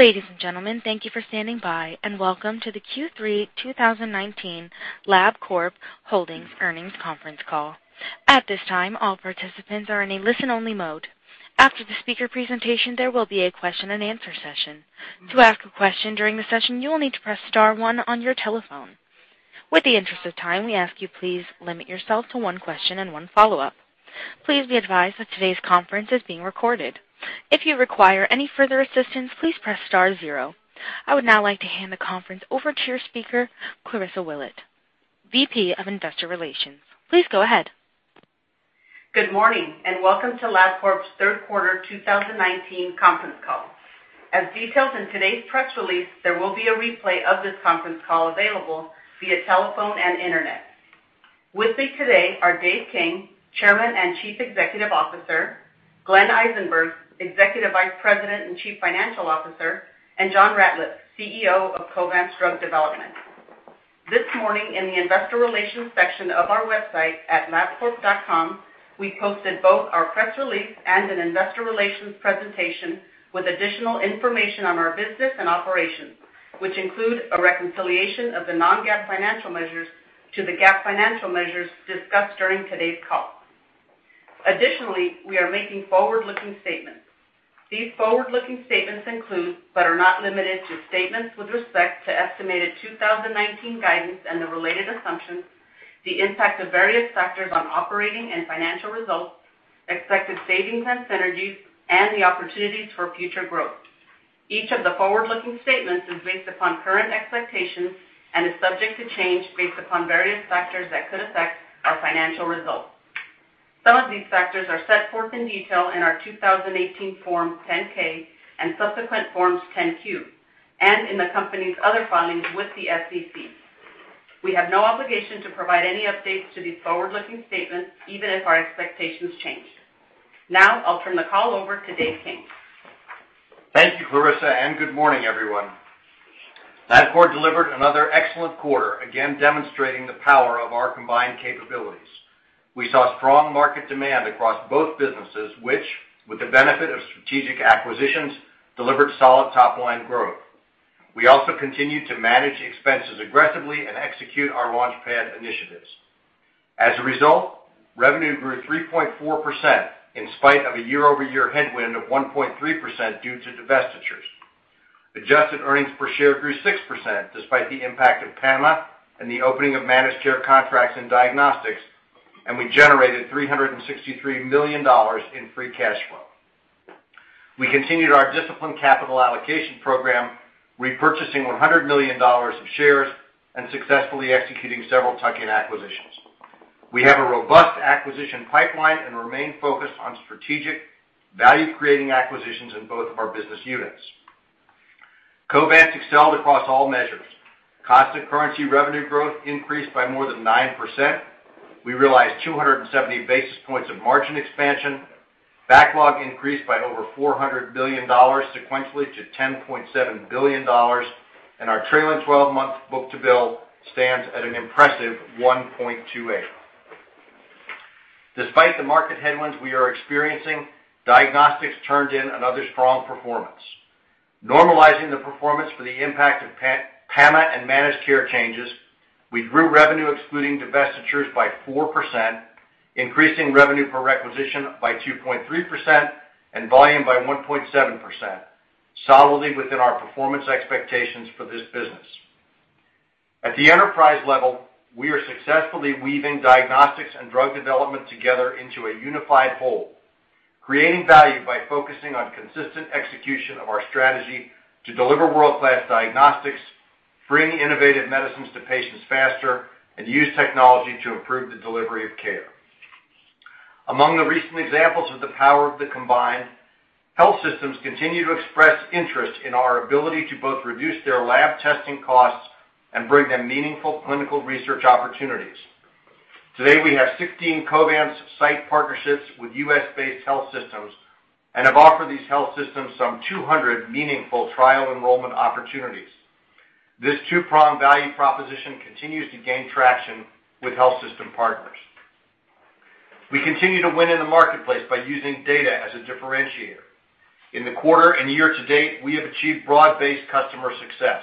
Ladies and gentlemen, thank you for standing by and welcome to the Q3 2019 Labcorp Holdings Earnings Conference Call. At this time, all participants are in a listen-only mode. After the speaker presentation, there will be a question and answer session. To ask a question during the session, you will need to press star one on your telephone. With the interest of time, we ask you please limit yourself to one question and one follow-up. Please be advised that today's conference is being recorded. If you require any further assistance, please press star zero. I would now like to hand the conference over to your speaker, Clarissa Willett, VP of Investor Relations. Please go ahead. Good morning, and welcome to Labcorp's third quarter 2019 conference call. As detailed in today's press release, there will be a replay of this conference call available via telephone and internet. With me today are Dave King, Chairman and Chief Executive Officer, Glenn Eisenberg, Executive Vice President and Chief Financial Officer, and John Ratliff, CEO of Covance Drug Development. This morning, in the investor relations section of our website at labcorp.com, we posted both our press release and an investor relations presentation with additional information on our business and operations, which include a reconciliation of the non-GAAP financial measures to the GAAP financial measures discussed during today's call. Additionally, we are making forward-looking statements. These forward-looking statements include, but are not limited to, statements with respect to estimated 2019 guidance and the related assumptions, the impact of various factors on operating and financial results, expected savings and synergies, and the opportunities for future growth. Each of the forward-looking statements is based upon current expectations and is subject to change based upon various factors that could affect our financial results. Some of these factors are set forth in detail in our 2018 Form 10-K and subsequent Form 10-Q, and in the company's other filings with the SEC. We have no obligation to provide any updates to these forward-looking statements, even if our expectations change. I'll turn the call over to Dave King. Thank you, Clarissa. Good morning, everyone. Labcorp delivered another excellent quarter, again demonstrating the power of our combined capabilities. We saw strong market demand across both businesses, which with the benefit of strategic acquisitions, delivered solid top-line growth. We also continued to manage expenses aggressively and execute our LaunchPad initiatives. As a result, revenue grew 3.4% in spite of a year-over-year headwind of 1.3% due to divestitures. Adjusted earnings per share grew 6% despite the impact of PAMA and the opening of managed care contracts in diagnostics. We generated $363 million in free cash flow. We continued our disciplined capital allocation program, repurchasing $100 million of shares and successfully executing several tuck-in acquisitions. We have a robust acquisition pipeline and remain focused on strategic value-creating acquisitions in both of our business units. Covance excelled across all measures. Constant currency revenue growth increased by more than 9%. We realized 270 basis points of margin expansion. Backlog increased by over $400 million sequentially to $10.7 billion, and our trailing 12-month book-to-bill stands at an impressive 1.28. Despite the market headwinds we are experiencing, diagnostics turned in another strong performance. Normalizing the performance for the impact of PAMA and managed care changes, we grew revenue excluding divestitures by 4%, increasing revenue per requisition by 2.3% and volume by 1.7%, solidly within our performance expectations for this business. At the enterprise level, we are successfully weaving diagnostics and drug development together into a unified whole, creating value by focusing on consistent execution of our strategy to deliver world-class diagnostics, bringing innovative medicines to patients faster, and use technology to improve the delivery of care. Among the recent examples of the power of the combined, health systems continue to express interest in our ability to both reduce their Labcorp testing costs and bring them meaningful clinical research opportunities. Today, we have 16 Covance site partnerships with U.S.-based health systems and have offered these health systems some 200 meaningful trial enrollment opportunities. This two-pronged value proposition continues to gain traction with health system partners. We continue to win in the marketplace by using data as a differentiator. In the quarter and year to date, we have achieved broad-based customer success.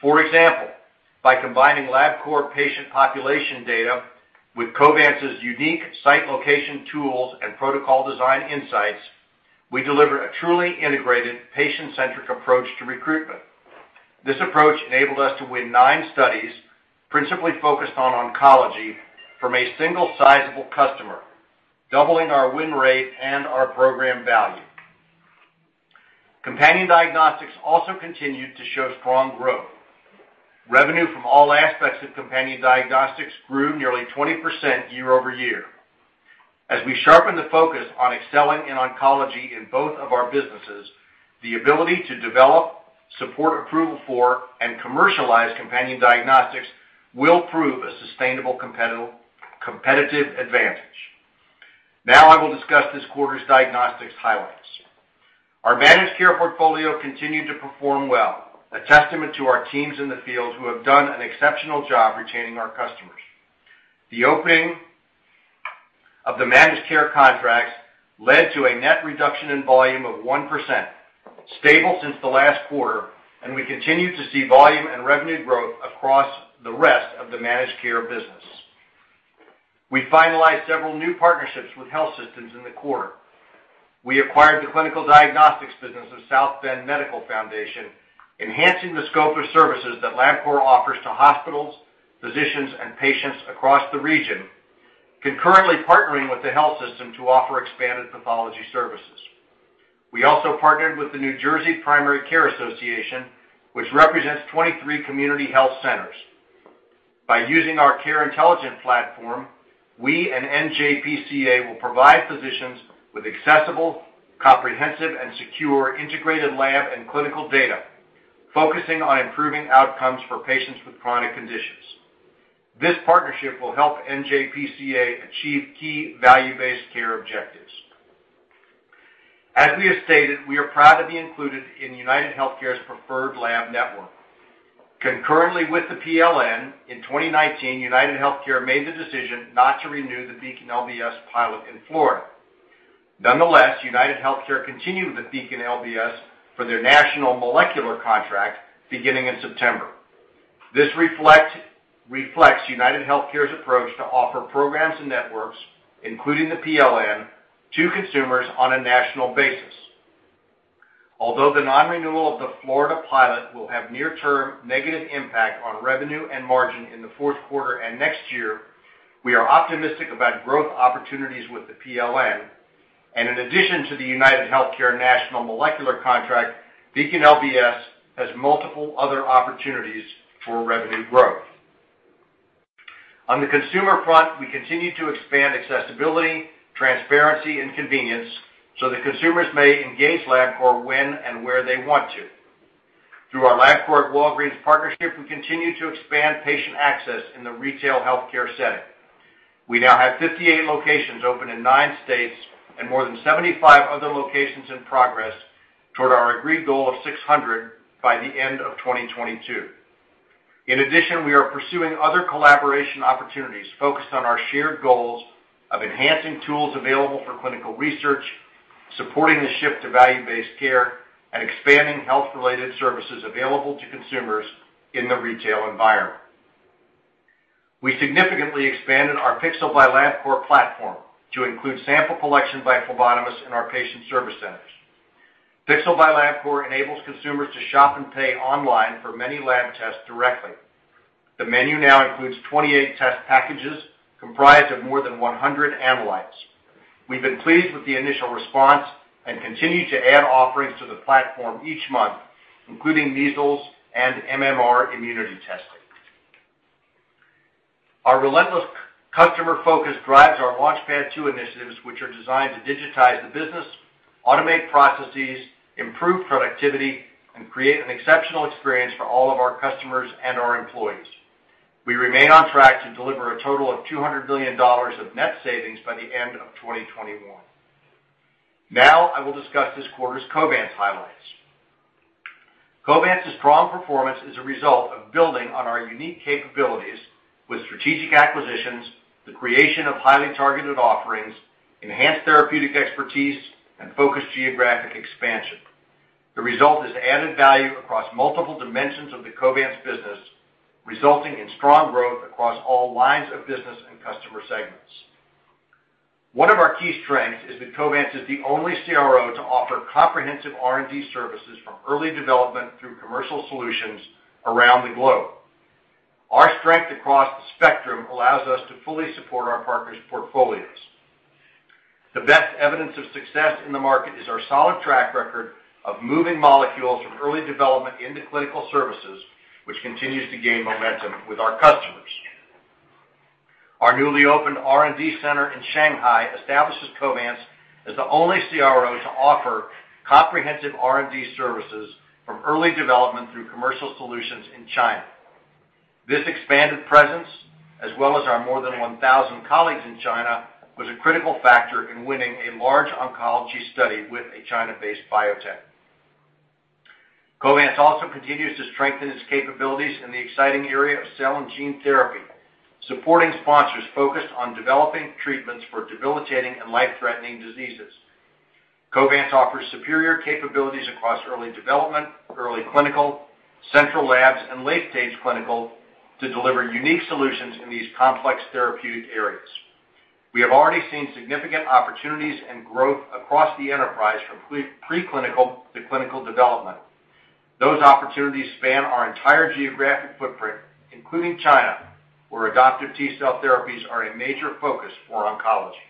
For example, by combining Labcorp patient population data with Covance's unique site location tools and protocol design insights, we deliver a truly integrated, patient-centric approach to recruitment. This approach enabled us to win nine studies, principally focused on oncology, from a single sizable customer, doubling our win rate and our program value. Companion diagnostics also continued to show strong growth. Revenue from all aspects of companion diagnostics grew nearly 20% year-over-year. As we sharpen the focus on excelling in oncology in both of our businesses, the ability to develop, support approval for, and commercialize companion diagnostics will prove a sustainable competitive advantage. Now I will discuss this quarter's diagnostics highlights. Our managed care portfolio continued to perform well, a testament to our teams in the field who have done an exceptional job retaining our customers. The opening of the managed care contracts led to a net reduction in volume of 1%, stable since the last quarter, and we continue to see volume and revenue growth across the rest of the managed care business. We finalized several new partnerships with health systems in the quarter. We acquired the clinical diagnostics business of South Bend Medical Foundation, enhancing the scope of services that Labcorp offers to hospitals, physicians, and patients across the region, concurrently partnering with the health system to offer expanded pathology services. We also partnered with the New Jersey Primary Care Association, which represents 23 community health centers. By using our Care Intelligence platform, we and NJPCA will provide physicians with accessible, comprehensive, and secure integrated lab and clinical data, focusing on improving outcomes for patients with chronic conditions. This partnership will help NJPCA achieve key value-based care objectives. As we have stated, we are proud to be included in UnitedHealthcare's Preferred Laboratory Network. Concurrently with the PLN, in 2019, UnitedHealthcare made the decision not to renew the BeaconLBS pilot in Florida. Nonetheless, UnitedHealthcare continued with the BeaconLBS for their national molecular contract beginning in September. This reflects UnitedHealthcare's approach to offer programs and networks, including the PLN, to consumers on a national basis. Although the non-renewal of the Florida pilot will have near-term negative impact on revenue and margin in the fourth quarter and next year, we are optimistic about growth opportunities with the PLN. In addition to the UnitedHealthcare national molecular contract, BeaconLBS has multiple other opportunities for revenue growth. On the consumer front, we continue to expand accessibility, transparency, and convenience so that consumers may engage Labcorp when and where they want to. Through our Labcorp-Walgreens partnership, we continue to expand patient access in the retail healthcare setting. We now have 58 locations open in nine states and more than 75 other locations in progress toward our agreed goal of 600 by the end of 2022. In addition, we are pursuing other collaboration opportunities focused on our shared goals of enhancing tools available for clinical research, supporting the shift to value-based care, and expanding health-related services available to consumers in the retail environment. We significantly expanded our Pixel by Labcorp platform to include sample collection by phlebotomists in our patient service centers. Pixel by Labcorp enables consumers to shop and pay online for many lab tests directly. The menu now includes 28 test packages comprised of more than 100 analytes. We've been pleased with the initial response and continue to add offerings to the platform each month, including measles and MMR immunity testing. Our relentless customer focus drives our LaunchPad Two initiatives, which are designed to digitize the business, automate processes, improve productivity, and create an exceptional experience for all of our customers and our employees. We remain on track to deliver a total of $200 million of net savings by the end of 2021. Now I will discuss this quarter's Covance highlights. Covance's strong performance is a result of building on our unique capabilities with strategic acquisitions, the creation of highly targeted offerings, enhanced therapeutic expertise, and focused geographic expansion. The result is added value across multiple dimensions of the Covance business, resulting in strong growth across all lines of business and customer segments. One of our key strengths is that Covance is the only CRO to offer comprehensive R&D services from early development through commercial solutions around the globe. Our strength across the spectrum allows us to fully support our partners' portfolios. The best evidence of success in the market is our solid track record of moving molecules from early development into clinical services, which continues to gain momentum with our customers. Our newly opened R&D center in Shanghai establishes Covance as the only CRO to offer comprehensive R&D services from early development through commercial solutions in China. This expanded presence, as well as our more than 1,000 colleagues in China, was a critical factor in winning a large oncology study with a China-based biotech. Covance also continues to strengthen its capabilities in the exciting area of cell and gene therapy, supporting sponsors focused on developing treatments for debilitating and life-threatening diseases. Covance offers superior capabilities across early development, early clinical, central labs, and late-stage clinical to deliver unique solutions in these complex therapeutic areas. We have already seen significant opportunities and growth across the enterprise from pre-clinical to clinical development. Those opportunities span our entire geographic footprint, including China, where adoptive T-cell therapies are a major focus for oncology.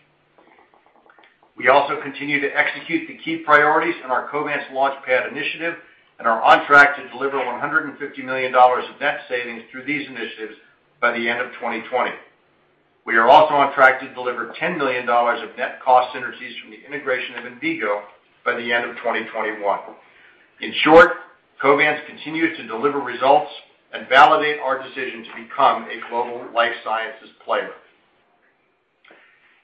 We also continue to execute the key priorities in our Covance LaunchPad initiative and are on track to deliver $150 million of net savings through these initiatives by the end of 2020. We are also on track to deliver $10 million of net cost synergies from the integration of Envigo by the end of 2021. In short, Covance continues to deliver results and validate our decision to become a global life sciences player.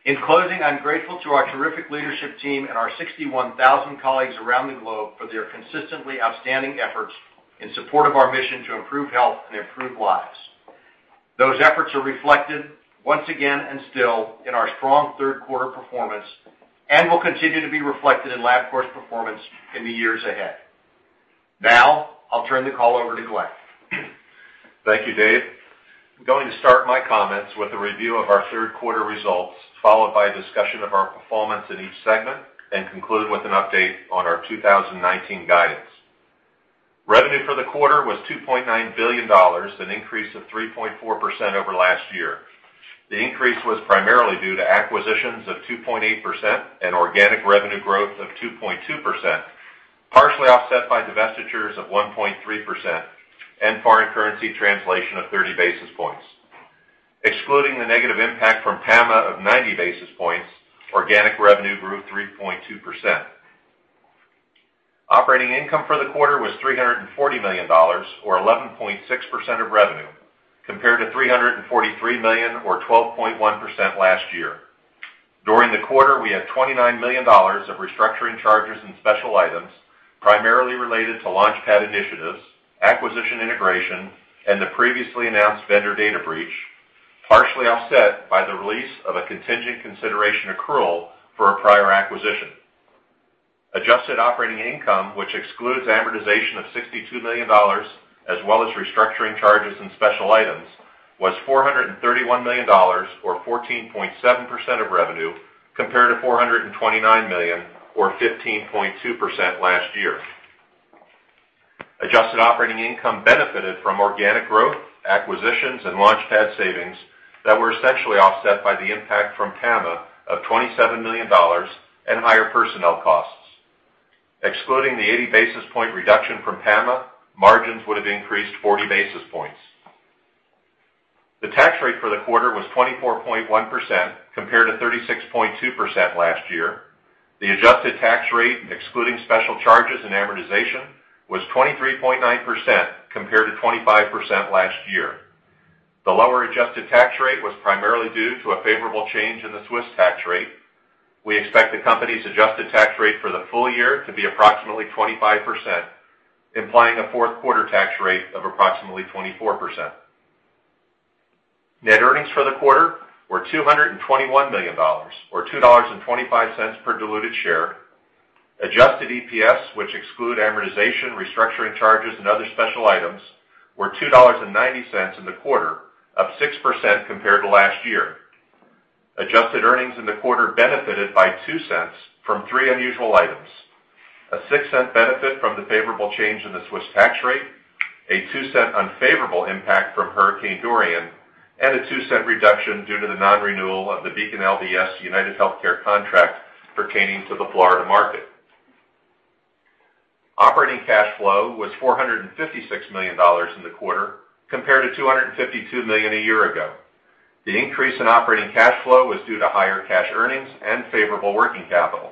In closing, I'm grateful to our terrific leadership team and our 61,000 colleagues around the globe for their consistently outstanding efforts in support of our mission to improve health and improve lives. Those efforts are reflected once again and still in our strong third quarter performance and will continue to be reflected in Labcorp's performance in the years ahead. Now, I'll turn the call over to Glenn. Thank you, Dave. I'm going to start my comments with a review of our third quarter results, followed by a discussion of our performance in each segment, and conclude with an update on our 2019 guidance. Revenue for the quarter was $2.9 billion, an increase of 3.4% over last year. The increase was primarily due to acquisitions of 2.8% and organic revenue growth of 2.2%, partially offset by divestitures of 1.3% and foreign currency translation of 30 basis points. Excluding the negative impact from PAMA of 90 basis points, organic revenue grew 3.2%. Operating income for the quarter was $340 million, or 11.6% of revenue, compared to $343 million, or 12.1% last year. During the quarter, we had $29 million of restructuring charges and special items, primarily related to LaunchPad initiatives, acquisition integration, and the previously announced vendor data breach, partially offset by the release of a contingent consideration accrual for a prior acquisition. Adjusted operating income, which excludes amortization of $62 million, as well as restructuring charges and special items, was $431 million or 14.7% of revenue, compared to $429 million or 15.2% last year. Adjusted operating income benefited from organic growth, acquisitions, and LaunchPad savings that were essentially offset by the impact from PAMA of $27 million and higher personnel costs. Excluding the 80 basis point reduction from PAMA, margins would have increased 40 basis points. The tax rate for the quarter was 24.1% compared to 36.2% last year. The adjusted tax rate, excluding special charges and amortization, was 23.9% compared to 25% last year. The lower adjusted tax rate was primarily due to a favorable change in the Swiss tax rate. We expect the company's adjusted tax rate for the full year to be approximately 25%, implying a fourth quarter tax rate of approximately 24%. Net earnings for the quarter were $221 million, or $2.25 per diluted share. Adjusted EPS, which exclude amortization, restructuring charges, and other special items, were $2.90 in the quarter, up 6% compared to last year. Adjusted earnings in the quarter benefited by $0.02 from three unusual items, a $0.06 benefit from the favorable change in the Swiss tax rate, a $0.02 unfavorable impact from Hurricane Dorian, and a $0.02 reduction due to the non-renewal of the BeaconLBS UnitedHealthcare contract pertaining to the Florida market. Operating cash flow was $456 million in the quarter, compared to $252 million a year ago. The increase in operating cash flow was due to higher cash earnings and favorable working capital.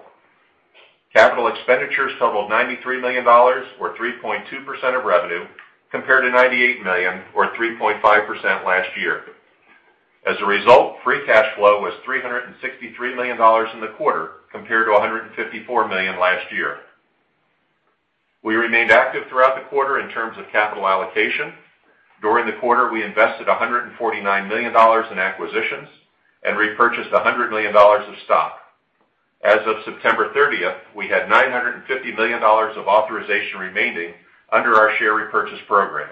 Capital expenditures totaled $93 million, or 3.2% of revenue, compared to $98 million or 3.5% last year. As a result, free cash flow was $363 million in the quarter, compared to $154 million last year. We remained active throughout the quarter in terms of capital allocation. During the quarter, we invested $149 million in acquisitions and repurchased $100 million of stock. As of September 30th, we had $950 million of authorization remaining under our share repurchase program.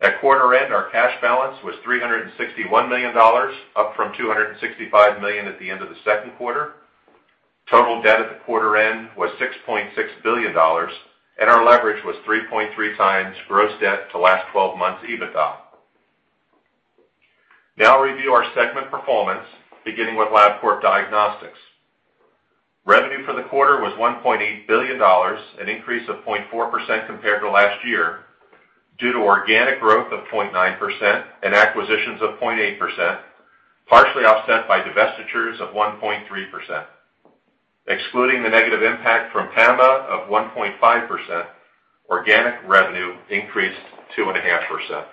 At quarter end, our cash balance was $361 million, up from $265 million at the end of the second quarter. Total debt at the quarter end was $6.6 billion, and our leverage was 3.3 times gross debt to last 12 months EBITDA. Now review our segment performance, beginning with Labcorp Diagnostics. Revenue for the quarter was $1.8 billion, an increase of 0.4% compared to last year, due to organic growth of 0.9% and acquisitions of 0.8%, partially offset by divestitures of 1.3%. Excluding the negative impact from PAMA of 1.5%, organic revenue increased 2.5%.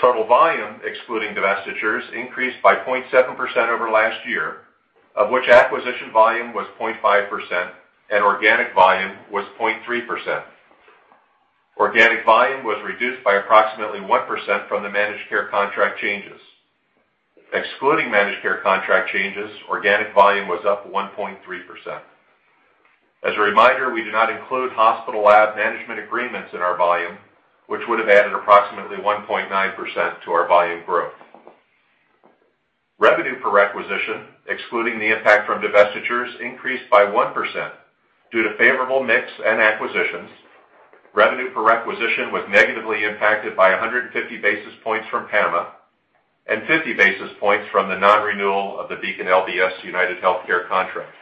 Total volume, excluding divestitures, increased by 0.7% over last year, of which acquisition volume was 0.5% and organic volume was 0.3%. Organic volume was reduced by approximately 1% from the managed care contract changes. Excluding managed care contract changes, organic volume was up 1.3%. As a reminder, we do not include hospital lab management agreements in our volume, which would have added approximately 1.9% to our volume growth. Revenue per requisition, excluding the impact from divestitures, increased by 1% due to favorable mix and acquisitions. Revenue per requisition was negatively impacted by 150 basis points from PAMA and 50 basis points from the non-renewal of the BeaconLBS UnitedHealthcare contract.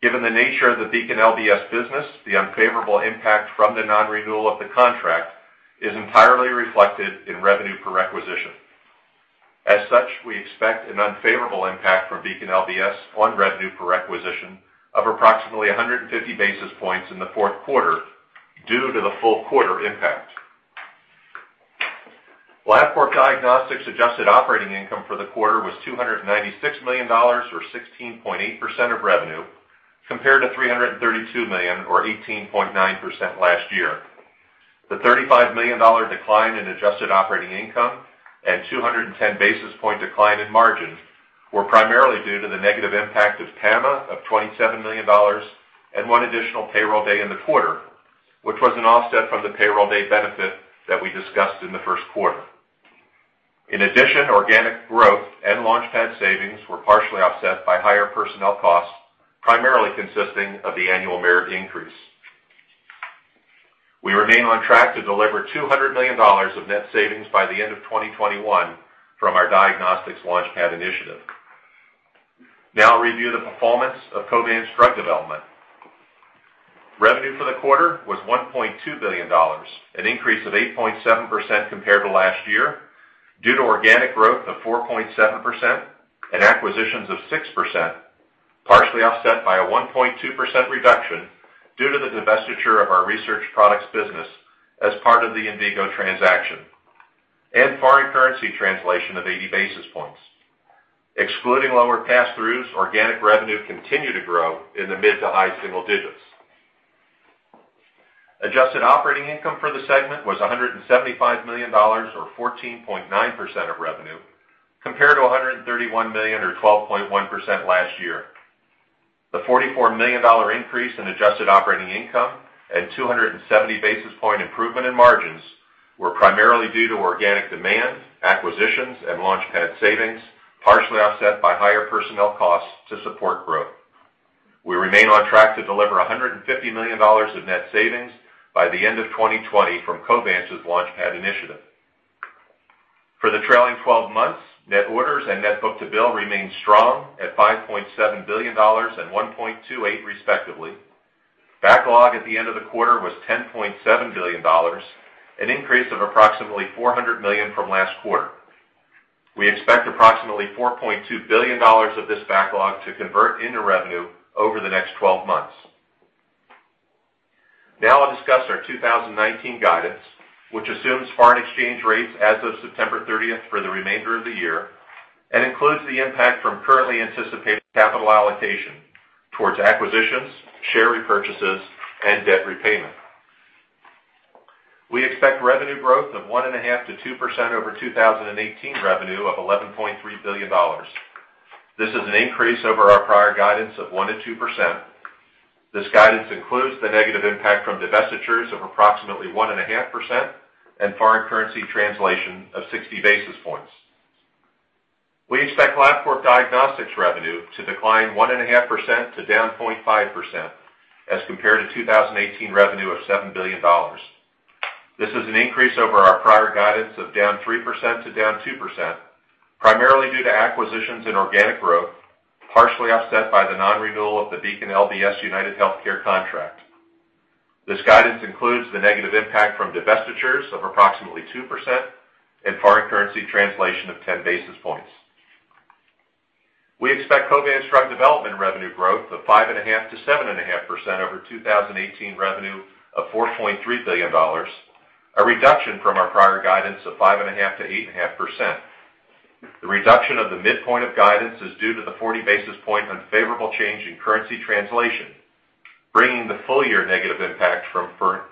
Given the nature of the BeaconLBS business, the unfavorable impact from the non-renewal of the contract is entirely reflected in revenue per requisition. As such, we expect an unfavorable impact from BeaconLBS on revenue per requisition of approximately 150 basis points in the fourth quarter due to the full quarter impact. Labcorp Diagnostics adjusted operating income for the quarter was $296 million, or 16.8% of revenue, compared to $332 million, or 18.9% last year. The $35 million decline in adjusted operating income and 210 basis point decline in margin were primarily due to the negative impact of PAMA of $27 million and one additional payroll day in the quarter, which was an offset from the payroll day benefit that we discussed in the first quarter. In addition, organic growth and LaunchPad savings were partially offset by higher personnel costs, primarily consisting of the annual merit increase. We remain on track to deliver $200 million of net savings by the end of 2021 from our Diagnostics LaunchPad initiative. I'll review the performance of Covance Drug Development. Revenue for the quarter was $1.2 billion, an increase of 8.7% compared to last year due to organic growth of 4.7% and acquisitions of 6%, partially offset by a 1.2% reduction due to the divestiture of our research products business as part of the Envigo transaction, and foreign currency translation of 80 basis points. Excluding lower passthroughs, organic revenue continued to grow in the mid to high single digits. Adjusted operating income for the segment was $175 million, or 14.9% of revenue, compared to $131 million, or 12.1% last year. The $44 million increase in adjusted operating income and 270 basis point improvement in margins were primarily due to organic demand, acquisitions, and LaunchPad savings, partially offset by higher personnel costs to support growth. We remain on track to deliver $150 million of net savings by the end of 2020 from Covance's LaunchPad initiative. For the trailing 12 months, net orders and net book-to-bill remained strong at $5.7 billion and 1.28, respectively. Backlog at the end of the quarter was $10.7 billion, an increase of approximately $400 million from last quarter. We expect approximately $4.2 billion of this backlog to convert into revenue over the next 12 months. Now I'll discuss our 2019 guidance, which assumes foreign exchange rates as of September 30th for the remainder of the year and includes the impact from currently anticipated capital allocation towards acquisitions, share repurchases, and debt repayment. We expect revenue growth of 1.5% to 2% over 2018 revenue of $11.3 billion. This is an increase over our prior guidance of 1% to 2%. This guidance includes the negative impact from divestitures of approximately 1.5% and foreign currency translation of 60 basis points. We expect Labcorp Diagnostics revenue to decline 1.5% to down 0.5% as compared to 2018 revenue of $7 billion. This is an increase over our prior guidance of down 3% to down 2%, primarily due to acquisitions and organic growth, partially offset by the non-renewal of the BeaconLBS UnitedHealthcare contract. This guidance includes the negative impact from divestitures of approximately 2% and foreign currency translation of 10 basis points. We expect Covance Drug Development revenue growth of 5.5% to 7.5% over 2018 revenue of $4.3 billion, a reduction from our prior guidance of 5.5% to 8.5%. The reduction of the midpoint of guidance is due to the 40 basis point unfavorable change in currency translation, bringing the full-year negative impact from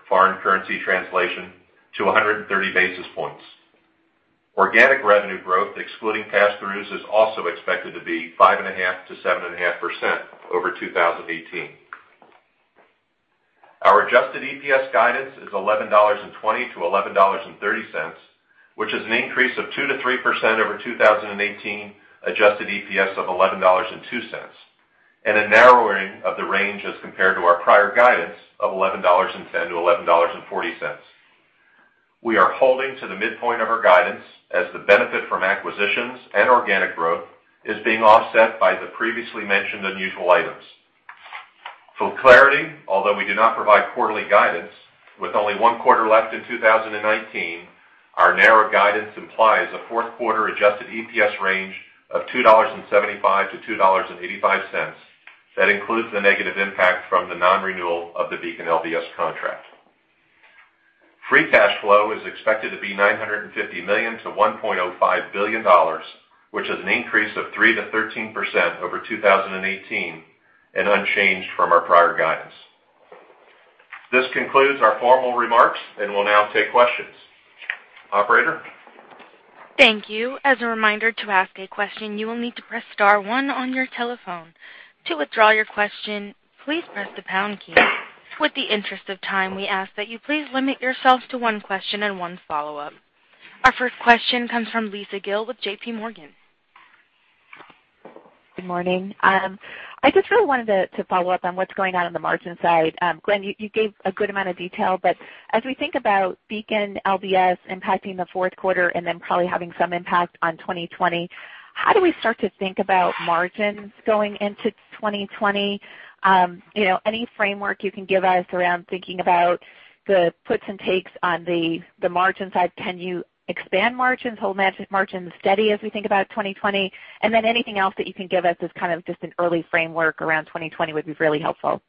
foreign currency translation to 130 basis points. Organic revenue growth, excluding passthroughs, is also expected to be 5.5% to 7.5% over 2018. Our adjusted EPS guidance is $11.20 to $11.30, which is an increase of 2% to 3% over 2018 adjusted EPS of $11.02, and a narrowing of the range as compared to our prior guidance of $11.10 to $11.40. We are holding to the midpoint of our guidance as the benefit from acquisitions and organic growth is being offset by the previously mentioned unusual items. For clarity, although we do not provide quarterly guidance, with only one quarter left in 2019, our narrow guidance implies a fourth quarter adjusted EPS range of $2.75 to $2.85. That includes the negative impact from the non-renewal of the BeaconLBS contract. Free cash flow is expected to be $950 million-$1.05 billion, which is an increase of 3%-13% over 2018 and unchanged from our prior guidance. This concludes our formal remarks, and we'll now take questions. Operator? Thank you. As a reminder, to ask a question, you will need to press star one on your telephone. To withdraw your question, please press the pound key. With the interest of time, we ask that you please limit yourselves to one question and one follow-up. Our first question comes from Lisa Gill with J.P. Morgan. Good morning. I just really wanted to follow up on what's going on on the margin side. Glenn, you gave a good amount of detail, but as we think about BeaconLBS impacting the fourth quarter and then probably having some impact on 2020, how do we start to think about margins going into 2020? Any framework you can give us around thinking about the puts and takes on the margin side? Can you expand margins, hold margins steady as we think about 2020? Anything else that you can give us as kind of just an early framework around 2020 would be really helpful.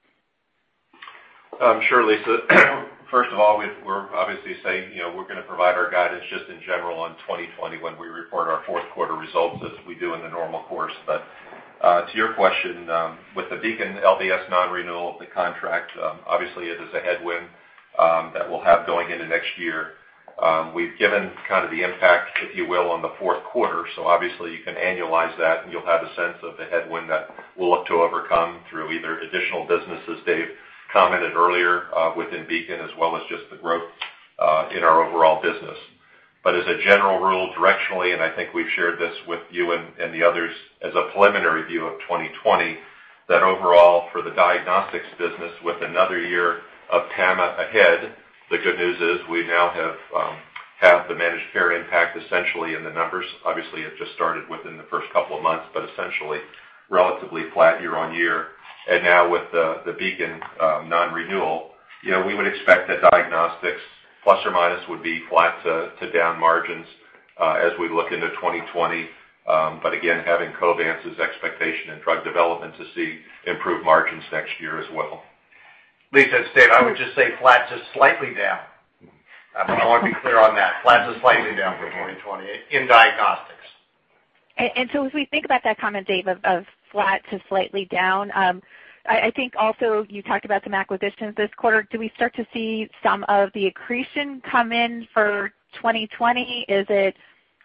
Sure, Lisa. First of all, we're obviously saying, we're going to provide our guidance just in general on 2020 when we report our fourth quarter results as we do in the normal course. To your question, with the BeaconLBS non-renewal of the contract, obviously it is a headwind that we'll have going into next year. We've given the impact, if you will, on the fourth quarter, so obviously you can annualize that, and you'll have a sense of the headwind that we'll look to overcome through either additional business, as Dave commented earlier, within Beacon as well as just the growth in our overall business. As a general rule, directionally, and I think we've shared this with you and the others as a preliminary view of 2020, that overall for the diagnostics business with another year of PAMA ahead, the good news is we now have had the managed care impact essentially in the numbers. Obviously, it just started within the first couple of months, but essentially relatively flat year-on-year. Now with the Beacon non-renewal, we would expect that diagnostics plus or minus would be flat to down margins as we look into 2020. Again, having Covance's expectation and drug development to see improved margins next year as well. Lisa, it's Dave. I would just say flat to slightly down. I want to be clear on that. Flat to slightly down for 2020 in diagnostics. As we think about that comment, Dave, of flat to slightly down, I think also you talked about some acquisitions this quarter. Do we start to see some of the accretion come in for 2020? Is it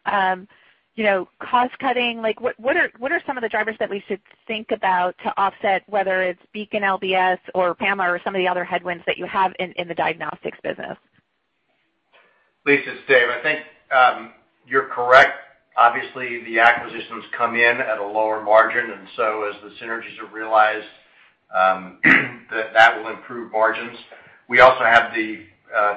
cost-cutting? What are some of the drivers that we should think about to offset whether it's BeaconLBS or PAMA or some of the other headwinds that you have in the diagnostics business? Lisa, it's Dave. I think you're correct. Obviously, the acquisitions come in at a lower margin, and so as the synergies are realized, that will improve margins. We also have the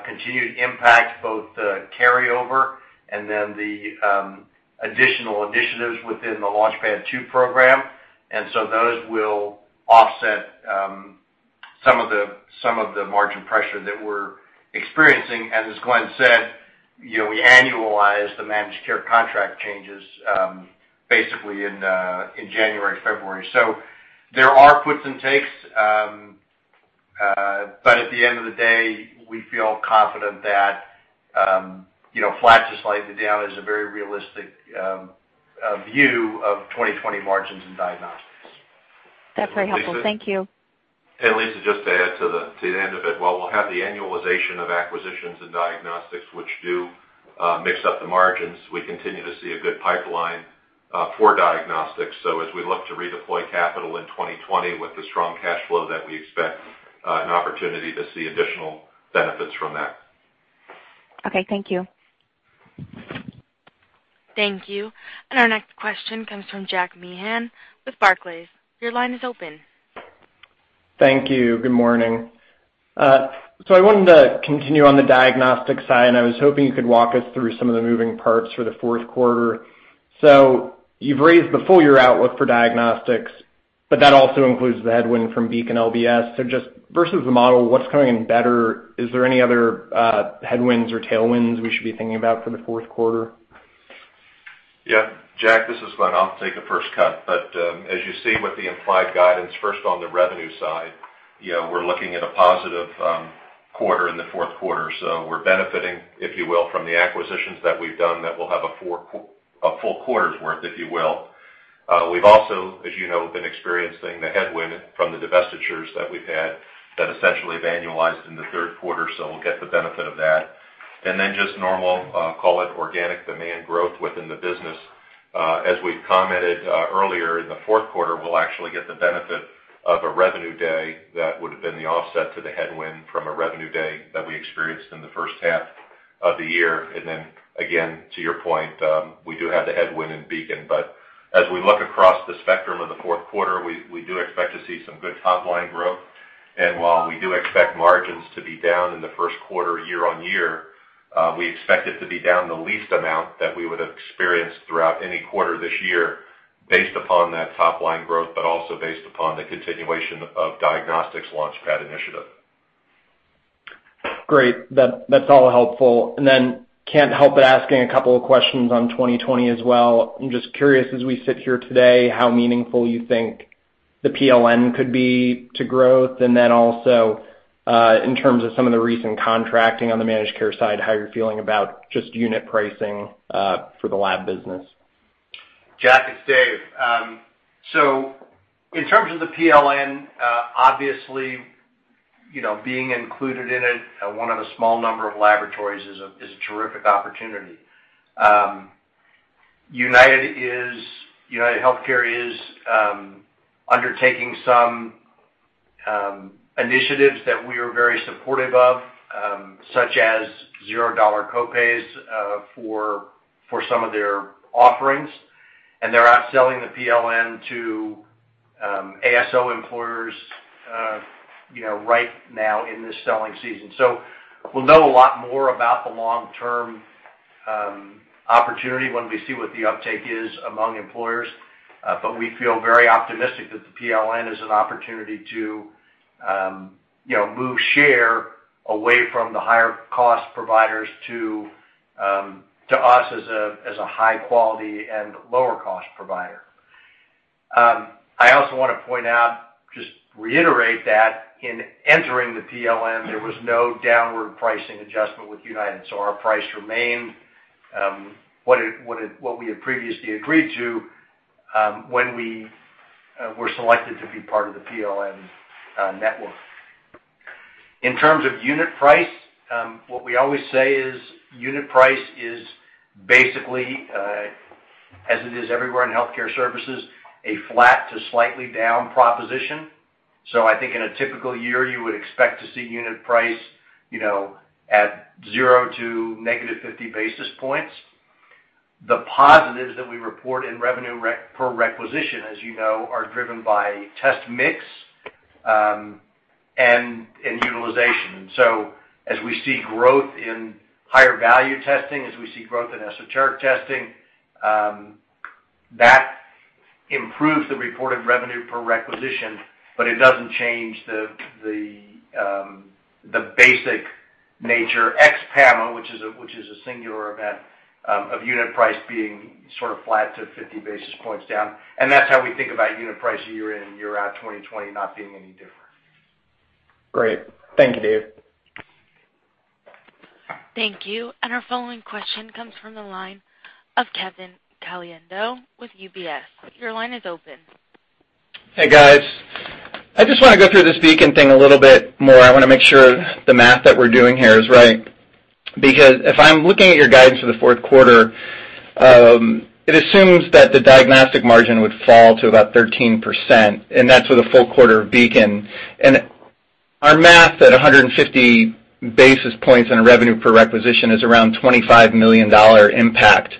continued impact, both the carryover and then the additional initiatives within the LaunchPad Two program. Those will offset some of the margin pressure that we're experiencing. As Glenn said, we annualize the managed care contract changes basically in January, February. There are puts and takes, but at the end of the day, we feel confident that flat to slightly down is a very realistic view of 2020 margins in Diagnostics. That's very helpful. Thank you. Lisa, just to add to the end of it, while we'll have the annualization of acquisitions and diagnostics, which do mix up the margins, we continue to see a good pipeline for diagnostics. As we look to redeploy capital in 2020 with the strong cash flow that we expect, an opportunity to see additional benefits from that. Okay. Thank you. Thank you. Our next question comes from Jack Meehan with Barclays. Your line is open. Thank you. Good morning. I wanted to continue on the Diagnostics side, and I was hoping you could walk us through some of the moving parts for the fourth quarter. You've raised the full year outlook for Diagnostics, but that also includes the headwind from BeaconLBS. Just versus the model, what's coming in better? Is there any other headwinds or tailwinds we should be thinking about for the fourth quarter? Jack, this is Glenn. I'll take the first cut, as you see with the implied guidance, first on the revenue side, we're looking at a positive quarter in the fourth quarter. We're benefiting, if you will, from the acquisitions that we've done that will have a full quarter's worth, if you will. We've also, as you know, been experiencing the headwind from the divestitures that we've had that essentially have annualized in the third quarter, we'll get the benefit of that. Just normal, call it organic demand growth within the business. As we've commented earlier, in the fourth quarter, we'll actually get the benefit of a revenue day that would've been the offset to the headwind from a revenue day that we experienced in the first half of the year. Again, to your point, we do have the headwind in Beacon. As we look across the spectrum of the fourth quarter, we do expect to see some good top-line growth. While we do expect margins to be down in the first quarter year-on-year, we expect it to be down the least amount that we would have experienced throughout any quarter this year based upon that top-line growth, but also based upon the continuation of Diagnostics LaunchPad initiative. Great. That's all helpful. Can't help but asking a couple of questions on 2020 as well. I'm just curious, as we sit here today, how meaningful you think the PLN could be to growth? Also, in terms of some of the recent contracting on the managed care side, how you're feeling about just unit pricing for the lab business? Jack, it's Dave. In terms of the PLN, obviously, being included in it, one of a small number of laboratories is a terrific opportunity. UnitedHealthcare is undertaking some initiatives that we are very supportive of, such as $0 copays, for some of their offerings. They're out selling the PLN to ASO employers right now in this selling season. We'll know a lot more about the long-term opportunity when we see what the uptake is among employers. We feel very optimistic that the PLN is an opportunity to move share away from the higher-cost providers to us as a high-quality and lower-cost provider. I also want to point out, just reiterate that in entering the PLN, there was no downward pricing adjustment with United. Our price remained what we had previously agreed to when we were selected to be part of the PLN network. In terms of unit price, what we always say is unit price is basically, as it is everywhere in healthcare services, a flat to slightly down proposition. I think in a typical year, you would expect to see unit price at zero to negative 50 basis points. The positives that we report in revenue per requisition, as you know, are driven by test mix and utilization. As we see growth in higher value testing, as we see growth in esoteric testing, that improves the reported revenue per requisition, but it doesn't change the basic nature ex PAMA, which is a singular event, of unit price being sort of flat to 50 basis points down. That's how we think about unit price year in, year out 2020 not being any different. Great. Thank you, Dave. Thank you. Our following question comes from the line of Kevin Caliendo with UBS. Your line is open. Hey, guys. I just want to go through this Beacon a little bit more. I want to make sure the math that we're doing here is right, because if I'm looking at your guidance for the fourth quarter, it assumes that the diagnostic margin would fall to about 13%, and that's with a full quarter of Beacon. Our math at 150 basis points on a revenue per requisition is around $25 million impact.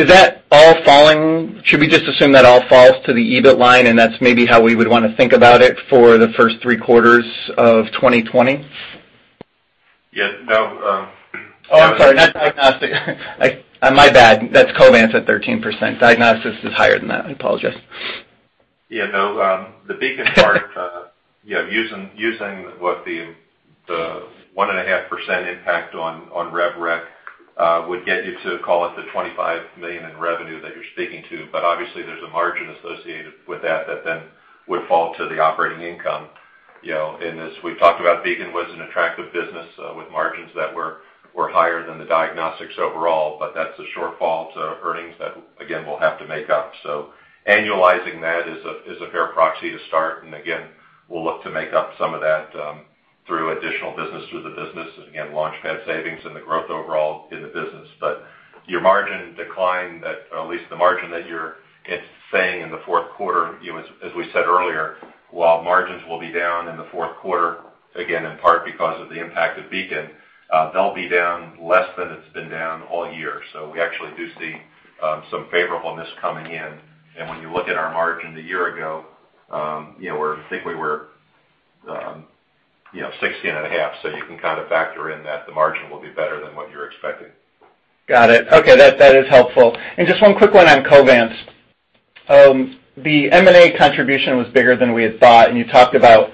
Should we just assume that all falls to the EBIT line, and that's maybe how we would want to think about it for the first three quarters of 2020? Yes. Oh, I'm sorry. Not diagnostic. My bad. That's Covance at 13%. Diagnostics is higher than that. I apologize. Yeah, no. The BeaconLBS part, using what the 1.5% impact on revenue recognition would get you to call it the $25 million in revenue that you're speaking to. Obviously, there's a margin associated with that that then would fall to the operating income. We've talked about BeaconLBS was an attractive business with margins that were higher than the diagnostics overall, that's a shortfall to earnings that, again, we'll have to make up. Annualizing that is a fair proxy to start, and again, we'll look to make up some of that through additional business through the business, again, LaunchPad savings and the growth overall in the business. Your margin decline that, or at least the margin that you're saying in the fourth quarter, as we said earlier, while margins will be down in the fourth quarter, again, in part, because of the impact of BeaconLBS, they'll be down less than it's been down all year. We actually do see some favorableness coming in. When you look at our margin a year ago, I think we were 16.5. You can factor in that the margin will be better than what you're expecting. Got it. Okay, that is helpful. Just one quick one on Covance. The M&A contribution was bigger than we had thought, and you talked about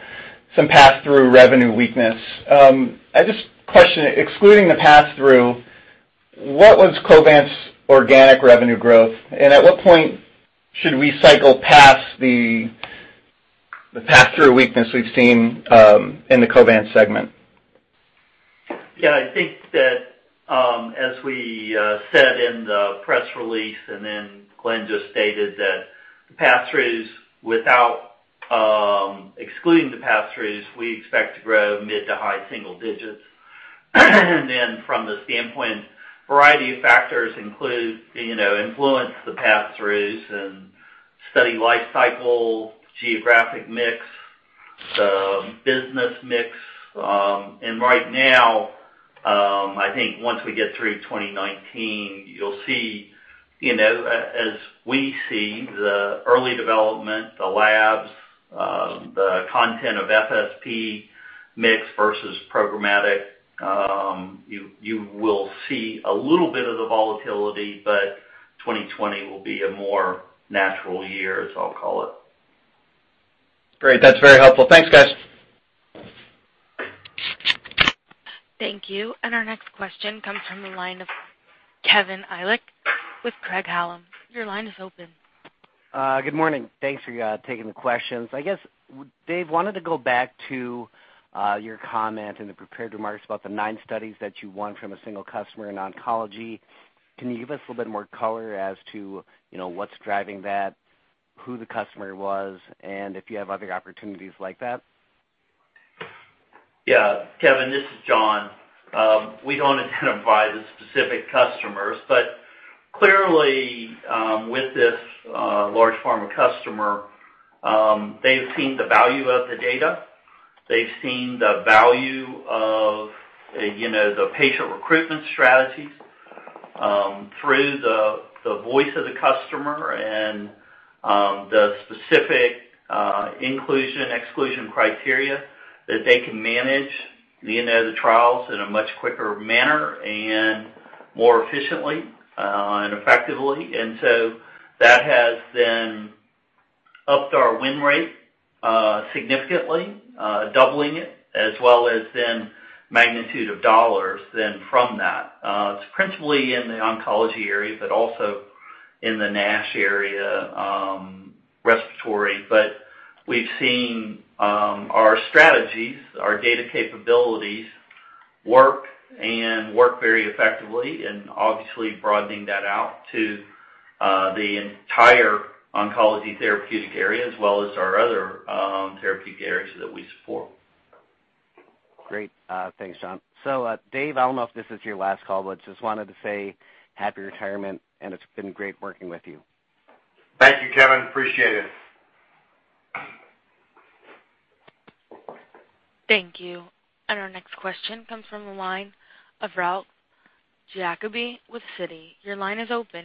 some pass-through revenue weakness. I just question, excluding the pass-through, what was Covance organic revenue growth, and at what point should we cycle past the pass-through weakness we've seen in the Covance segment. Yeah, I think that, as we said in the press release, Glenn just stated that excluding the pass-throughs, we expect to grow mid to high single digits. From the standpoint, variety of factors influence the pass-throughs and study life cycle, geographic mix, business mix. Right now, I think once we get through 2019, you'll see as we see the early development, the labs, the content of FSP mix versus programmatic, you will see a little bit of the volatility, but 2020 will be a more natural year, as I'll call it. Great. That's very helpful. Thanks, guys. Thank you. Our next question comes from the line of Kevin Ellich with Craig-Hallum. Your line is open. Good morning. Thanks for taking the questions. I guess, Dave, wanted to go back to your comment in the prepared remarks about the nine studies that you won from a single customer in oncology. Can you give us a little bit more color as to what's driving that, who the customer was, and if you have other opportunities like that? Yeah. Kevin, this is John. We don't identify the specific customers, but clearly, with this large pharma customer, they've seen the value of the data. They've seen the value of the patient recruitment strategies through the voice of the customer and the specific inclusion/exclusion criteria that they can manage the trials in a much quicker manner and more efficiently and effectively. That has then upped our win rate significantly, doubling it as well as then magnitude of $ then from that. It's principally in the oncology area, but also in the NASH area, respiratory. We've seen our strategies, our data capabilities work and work very effectively and obviously broadening that out to the entire oncology therapeutic area, as well as our other therapeutic areas that we support. Great. Thanks, John. Dave, I don't know if this is your last call, but just wanted to say happy retirement, and it's been great working with you. Thank you, Kevin. Appreciate it. Thank you. Our next question comes from the line of Ralph Giacobbe with Citi. Your line is open.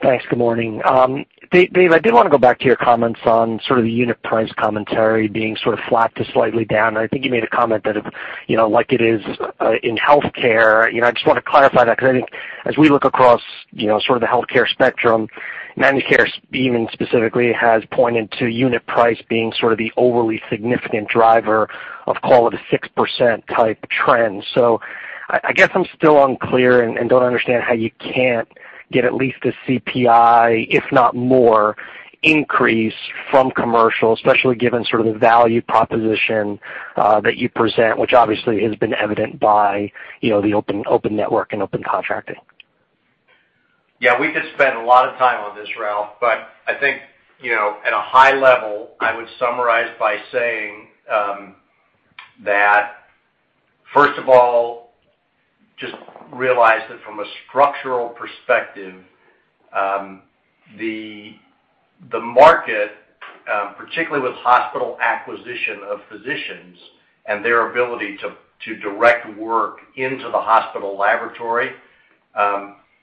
Thanks. Good morning. Dave, I did want to go back to your comments on sort of the unit price commentary being sort of flat to slightly down. I think you made a comment that, like it is in healthcare. I just want to clarify that because I think as we look across the healthcare spectrum, Medicare even specifically has pointed to unit price being sort of the overly significant driver of call it a 6% type trend. I guess I'm still unclear and don't understand how you can't get at least a CPI, if not more, increase from commercial, especially given sort of the value proposition that you present, which obviously has been evident by the open network and open contracting. Yeah, we could spend a lot of time on this, Ralph, but I think, at a high level, I would summarize by saying that, first of all, just realize that from a structural perspective, the market, particularly with hospital acquisition of physicians and their ability to direct work into the hospital laboratory,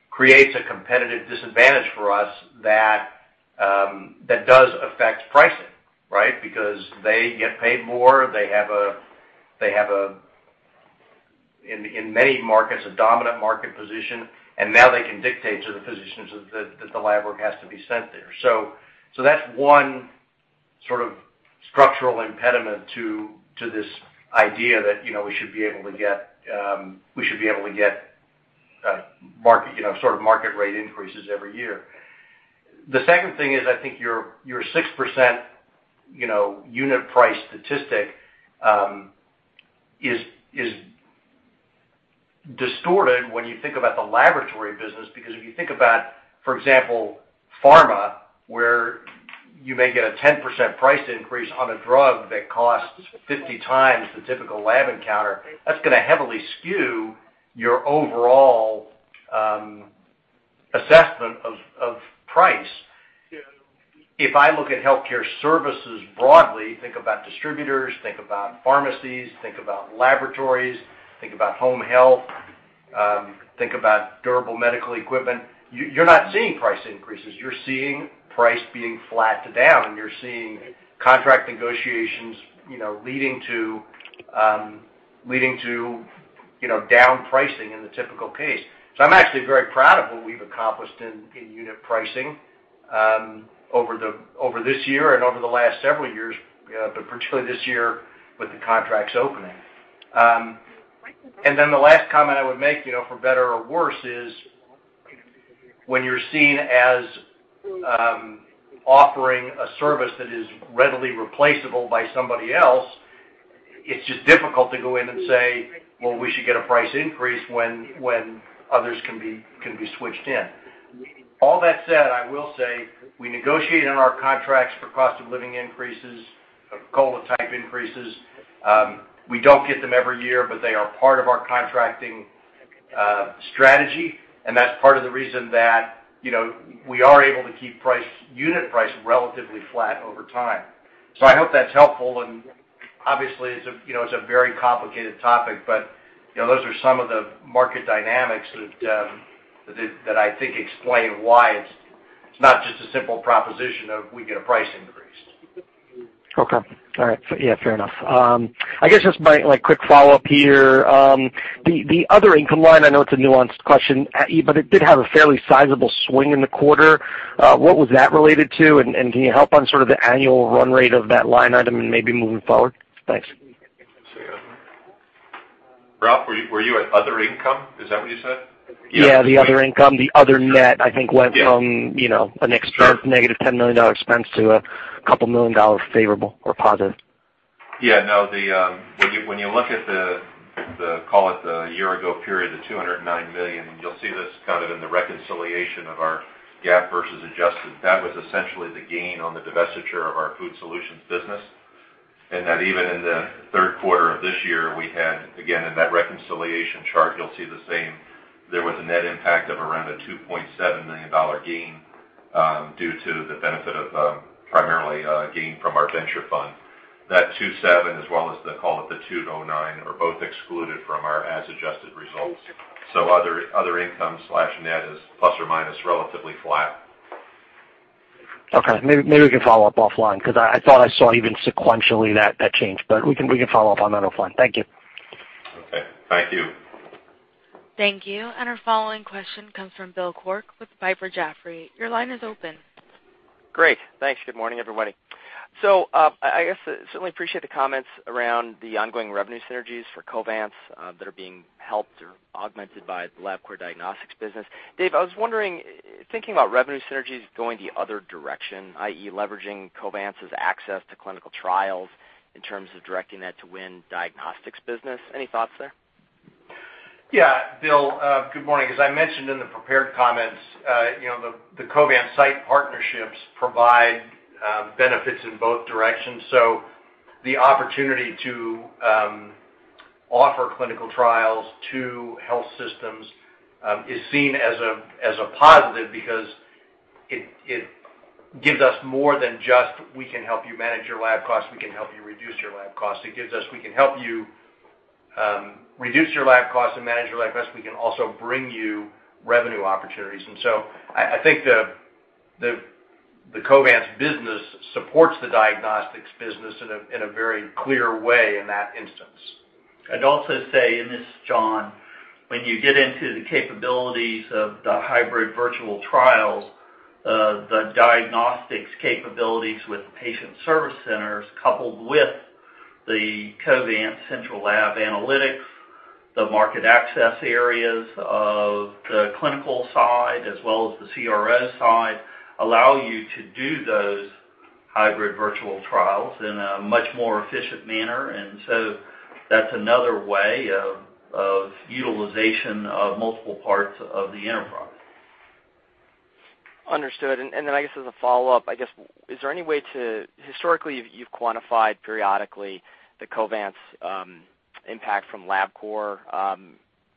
creates a competitive disadvantage for us that does affect pricing. Right? Because they get paid more. They have, in many markets, a dominant market position, and now they can dictate to the physicians that the lab work has to be sent there. That's one sort of structural impediment to this idea that we should be able to get sort of market rate increases every year. The second thing is, I think your 6% unit price statistic is distorted when you think about the laboratory business. Because if you think about, for example, pharma, where you may get a 10% price increase on a drug that costs 50 times the typical lab encounter, that's going to heavily skew your overall assessment of price. If I look at healthcare services broadly, think about distributors, think about pharmacies, think about laboratories, think about home health, think about durable medical equipment. You're not seeing price increases. You're seeing price being flat to down. You're seeing contract negotiations leading to down pricing in the typical case. So I'm actually very proud of what we've accomplished in unit pricing, over this year and over the last several years, but particularly this year with the contracts opening. The last comment I would make, for better or worse, is when you're seen as offering a service that is readily replaceable by somebody else, it's just difficult to go in and say, "Well, we should get a price increase," when others can be switched in. All that said, I will say we negotiate on our contracts for cost of living increases, COLA type increases. We don't get them every year, but they are part of our contracting strategy, and that's part of the reason that we are able to keep unit price relatively flat over time. I hope that's helpful, and obviously it's a very complicated topic, but those are some of the market dynamics that I think explain why it's not just a simple proposition of we get a price increase. Okay. All right. Yeah, fair enough. I guess just my quick follow-up here. The other income line, I know it's a nuanced question, but it did have a fairly sizable swing in the quarter. What was that related to? Can you help on sort of the annual run rate of that line item and maybe moving forward? Thanks. Ricky, were you at other income? Is that what you said? Yeah, the other income, the other net, I think went from an expense negative $10 million expense to a couple million dollars favorable or positive. Yeah, no, when you look at the, call it the year ago period, the $209 million, you'll see this kind of in the reconciliation of our GAAP versus adjusted. That was essentially the gain on the divestiture of our food solutions business. That even in the third quarter of this year, we had, again, in that reconciliation chart, you'll see the same. There was a net impact of around a $2.7 million gain, due to the benefit of primarily a gain from our venture fund. That two seven as well as the, call it the two nine are both excluded from our as-adjusted results. Other income/net is plus or minus, relatively flat. Okay. Maybe we can follow up offline because I thought I saw even sequentially that change, but we can follow up on that offline. Thank you. Okay. Thank you. Thank you. Our following question comes from Bill Quirk with Piper Jaffray. Your line is open. Great. Thanks. Good morning, everybody. I certainly appreciate the comments around the ongoing revenue synergies for Covance that are being helped or augmented by the Labcorp Diagnostics business. Dave, I was wondering, thinking about revenue synergies going the other direction, i.e., leveraging Covance's access to clinical trials in terms of directing that to win diagnostics business. Any thoughts there? Yeah, Bill. Good morning. As I mentioned in the prepared comments, the Covance site partnerships provide benefits in both directions. The opportunity to offer clinical trials to health systems is seen as a positive because it gives us more than just, "We can help you manage your lab costs, we can help you reduce your lab costs." It gives us, "We can help you reduce your lab costs and manage your lab costs. We can also bring you revenue opportunities." I think the Covance business supports the diagnostics business in a very clear way in that instance. I'd also say, and this is John, when you get into the capabilities of the hybrid virtual trials, the diagnostics capabilities with the patient service centers, coupled with the Covance central lab analytics, the market access areas of the clinical side, as well as the CRO side, allow you to do those hybrid virtual trials in a much more efficient manner. That's another way of utilization of multiple parts of the enterprise. Understood. I guess as a follow-up, historically, you've quantified periodically the Covance impact from Labcorp.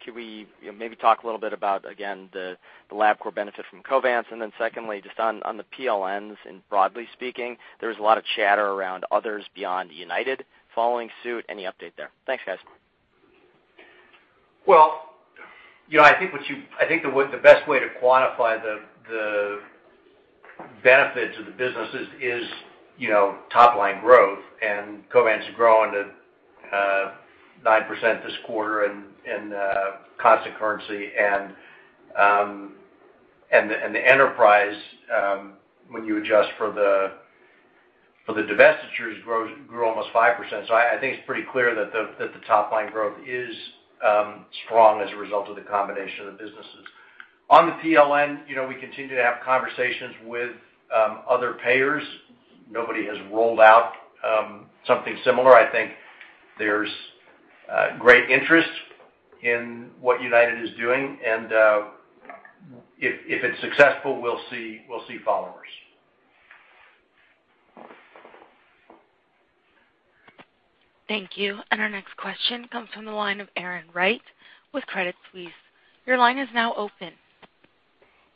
Can we maybe talk a little bit about, again, the Labcorp benefit from Covance? Secondly, just on the PLNs and broadly speaking, there's a lot of chatter around others beyond UnitedHealthcare following suit. Any update there? Thanks, guys. I think the best way to quantify the benefits of the businesses is top-line growth, and Covance is growing at 9% this quarter in constant currency. The enterprise, when you adjust for the divestitures, grew almost 5%. I think it's pretty clear that the top-line growth is strong as a result of the combination of the businesses. On the PLN, we continue to have conversations with other payers. Nobody has rolled out something similar. I think there's great interest in what UnitedHealthcare is doing, and if it's successful, we'll see followers. Thank you. Our next question comes from the line of Erin Wright with Credit Suisse. Your line is now open.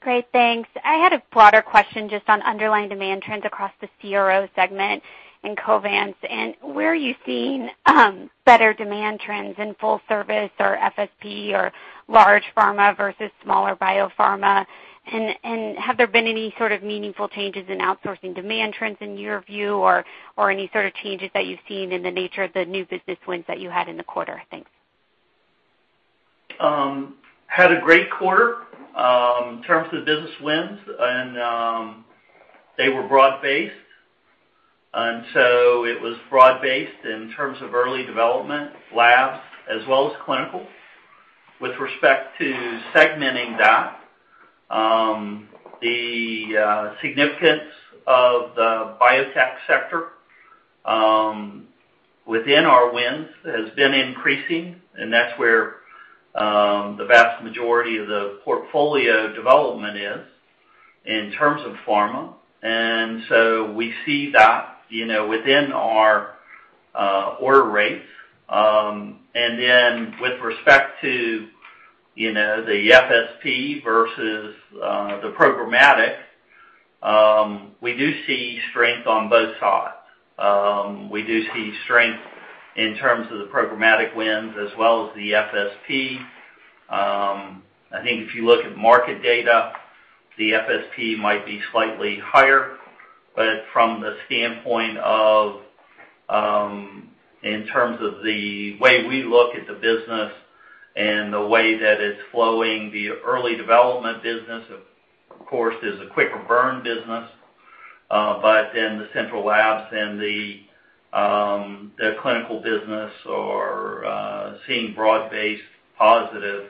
Great. Thanks. I had a broader question just on underlying demand trends across the CRO segment and Covance. Where are you seeing better demand trends in full service or FSP or large pharma versus smaller biopharma? Have there been any sort of meaningful changes in outsourcing demand trends in your view, or any sort of changes that you've seen in the nature of the new business wins that you had in the quarter? Thanks. Had a great quarter in terms of business wins, and they were broad-based. It was broad-based in terms of early development labs as well as clinical. With respect to segmenting that, the significance of the biotech sector within our wins has been increasing, and that's where the vast majority of the portfolio development is in terms of pharma. We see that within our order rates. With respect to the FSP versus the programmatic, we do see strength on both sides. We do see strength in terms of the programmatic wins as well as the FSP. I think if you look at market data, the FSP might be slightly higher, but from the standpoint of in terms of the way we look at the business and the way that it's flowing, the early development business, of course, is a quicker burn business. The central labs and the clinical business are seeing broad-based positive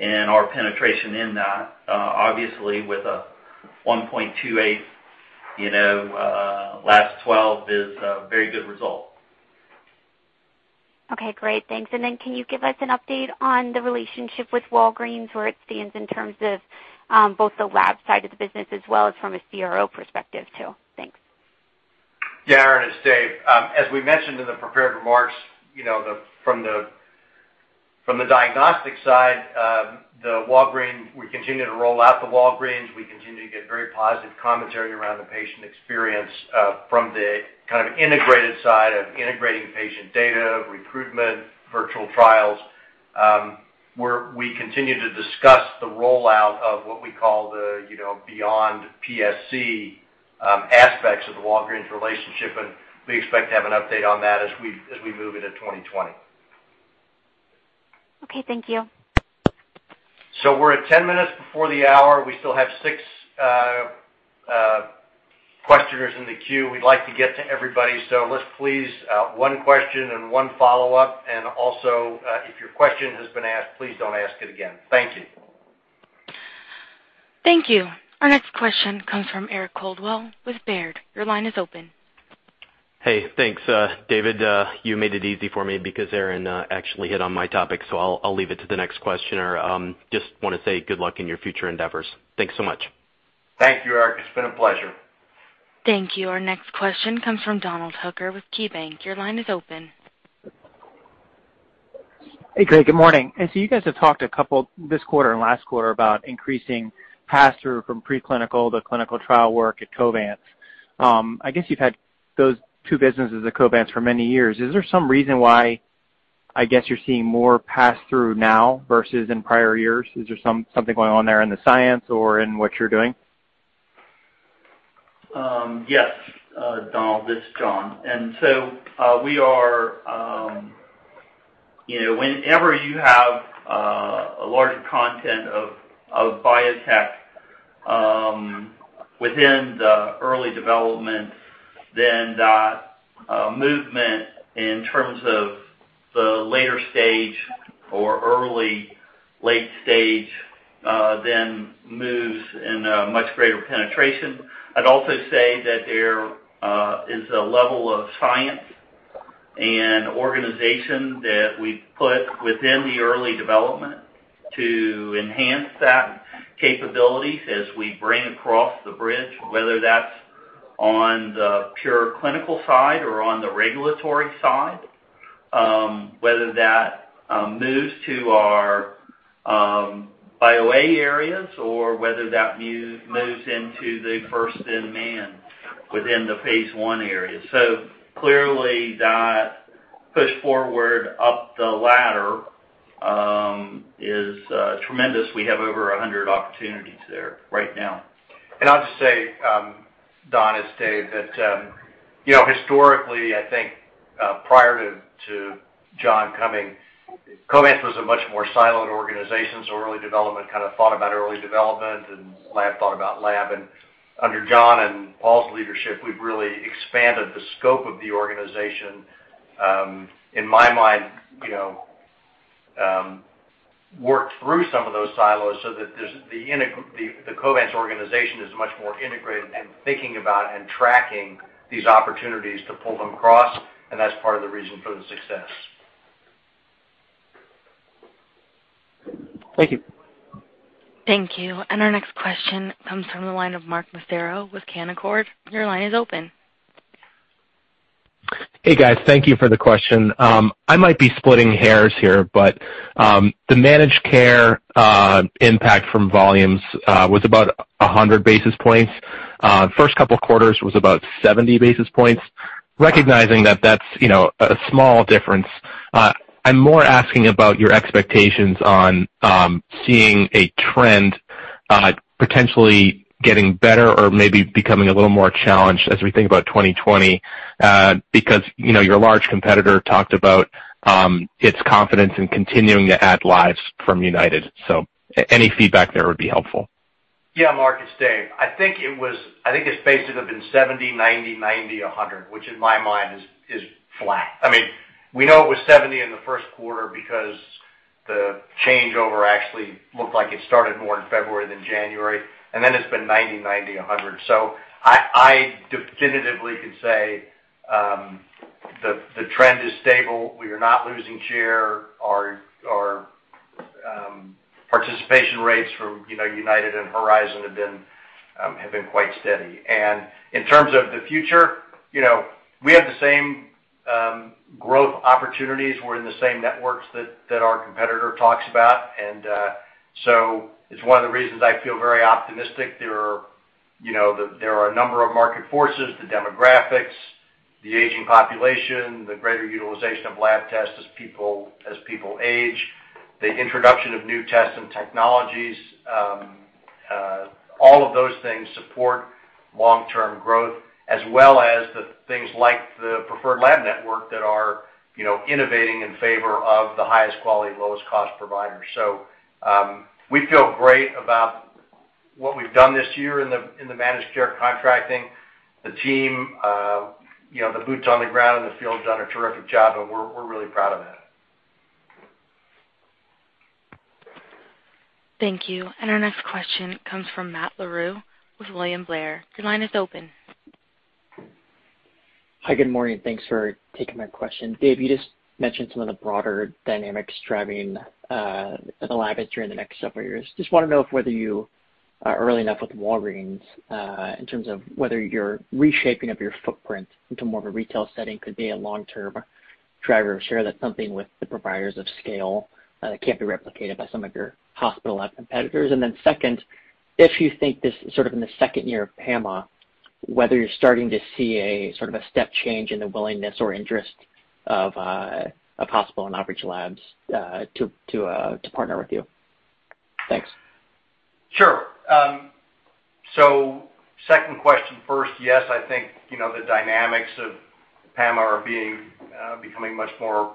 and our penetration in that. Obviously, with a 1.28 last 12 is a very good result. Okay, great. Thanks. Can you give us an update on the relationship with Walgreens, where it stands in terms of both the lab side of the business as well as from a CRO perspective, too? Thanks. Yeah, Erin, it's Dave. As we mentioned in the prepared remarks, from the diagnostic side, we continue to roll out the Walgreens. We continue to get very positive commentary around the patient experience from the integrated side of integrating patient data, recruitment, virtual trials, where we continue to discuss the rollout of what we call the beyond PSC aspects of the Walgreens relationship, and we expect to have an update on that as we move into 2020. Okay, thank you. We're at 10 minutes before the hour. We still have six questioners in the queue. We'd like to get to everybody, let's please, one question and one follow-up. Also, if your question has been asked, please don't ask it again. Thank you. Thank you. Our next question comes from Eric Coldwell with Baird. Your line is open. Hey, thanks, David. You made it easy for me because Erin actually hit on my topic, so I'll leave it to the next questioner. I just want to say good luck in your future endeavors. Thanks so much. Thank you, Eric. It's been a pleasure. Thank you. Our next question comes from Donald Hooker with KeyBank. Your line is open. Hey, Craig. Good morning. You guys have talked a couple this quarter and last quarter about increasing pass-through from preclinical to clinical trial work at Covance. I guess you've had those two businesses at Covance for many years. Is there some reason why, I guess you're seeing more pass-through now versus in prior years? Is there something going on there in the science or in what you're doing? Yes, Donald, this is John. Whenever you have a large content of biotech within the early development, that movement in terms of the later stage or early late stage, moves in a much greater penetration. I'd also say that there is a level of science and organization that we've put within the early development to enhance that capability as we bring across the bridge, whether that's on the pure clinical side or on the regulatory side, whether that moves to our BioA areas or whether that moves into the first in man within the phase I area. Clearly, that push forward up the ladder is tremendous. We have over 100 opportunities there right now. I'll just say, Don, it's Dave, that historically, I think, prior to John coming, Covance was a much more siloed organization. Early development kind of thought about early development, and lab thought about lab. Under John and Paul's leadership, we've really expanded the scope of the organization, in my mind, worked through some of those silos so that the Covance organization is much more integrated in thinking about and tracking these opportunities to pull them across, and that's part of the reason for the success. Thank you. Thank you. Our next question comes from the line of Mark Massaro with Canaccord. Your line is open. Hey, guys. Thank you for the question. I might be splitting hairs here, the managed care impact from volumes was about 100 basis points. First couple quarters was about 70 basis points. Recognizing that that's a small difference, I'm more asking about your expectations on seeing a trend potentially getting better or maybe becoming a little more challenged as we think about 2020, because your large competitor talked about its confidence in continuing to add lives from UnitedHealthcare. Any feedback there would be helpful. Yeah, Mark, it's Dave. I think its base would have been 70, 90, 100, which in my mind is flat. We know it was 70 in the first quarter because the changeover actually looked like it started more in February than January, then it's been 90, 100. I definitively can say, the trend is stable. We are not losing share. Our participation rates from UnitedHealthcare and Horizon have been quite steady. In terms of the future, we have the same growth opportunities. We're in the same networks that our competitor talks about. It's one of the reasons I feel very optimistic. There are a number of market forces, the demographics, the aging population, the greater utilization of lab tests as people age, the introduction of new tests and technologies. All of those things support long-term growth, as well as the things like the Preferred Laboratory Network that are innovating in favor of the highest quality, lowest cost providers. We feel great about what we've done this year in the managed care contracting. The team, the boots on the ground, and the field done a terrific job, and we're really proud of that. Thank you. Our next question comes from Matt Larew with William Blair. Your line is open. Hi, good morning. Thanks for taking my question. Dave, you just mentioned some of the broader dynamics driving the lab industry in the next several years. I just want to know if whether you are early enough with Walgreens, in terms of whether you're reshaping up your footprint into more of a retail setting could be a long-term driver of share. That's something with the providers of scale that can't be replicated by some of your hospital lab competitors. Second, if you think this is sort of in the second year of PAMA, whether you're starting to see a step change in the willingness or interest of hospital and outreach labs to partner with you. Thanks. Sure. Second question first. Yes, I think, the dynamics of PAMA are becoming much more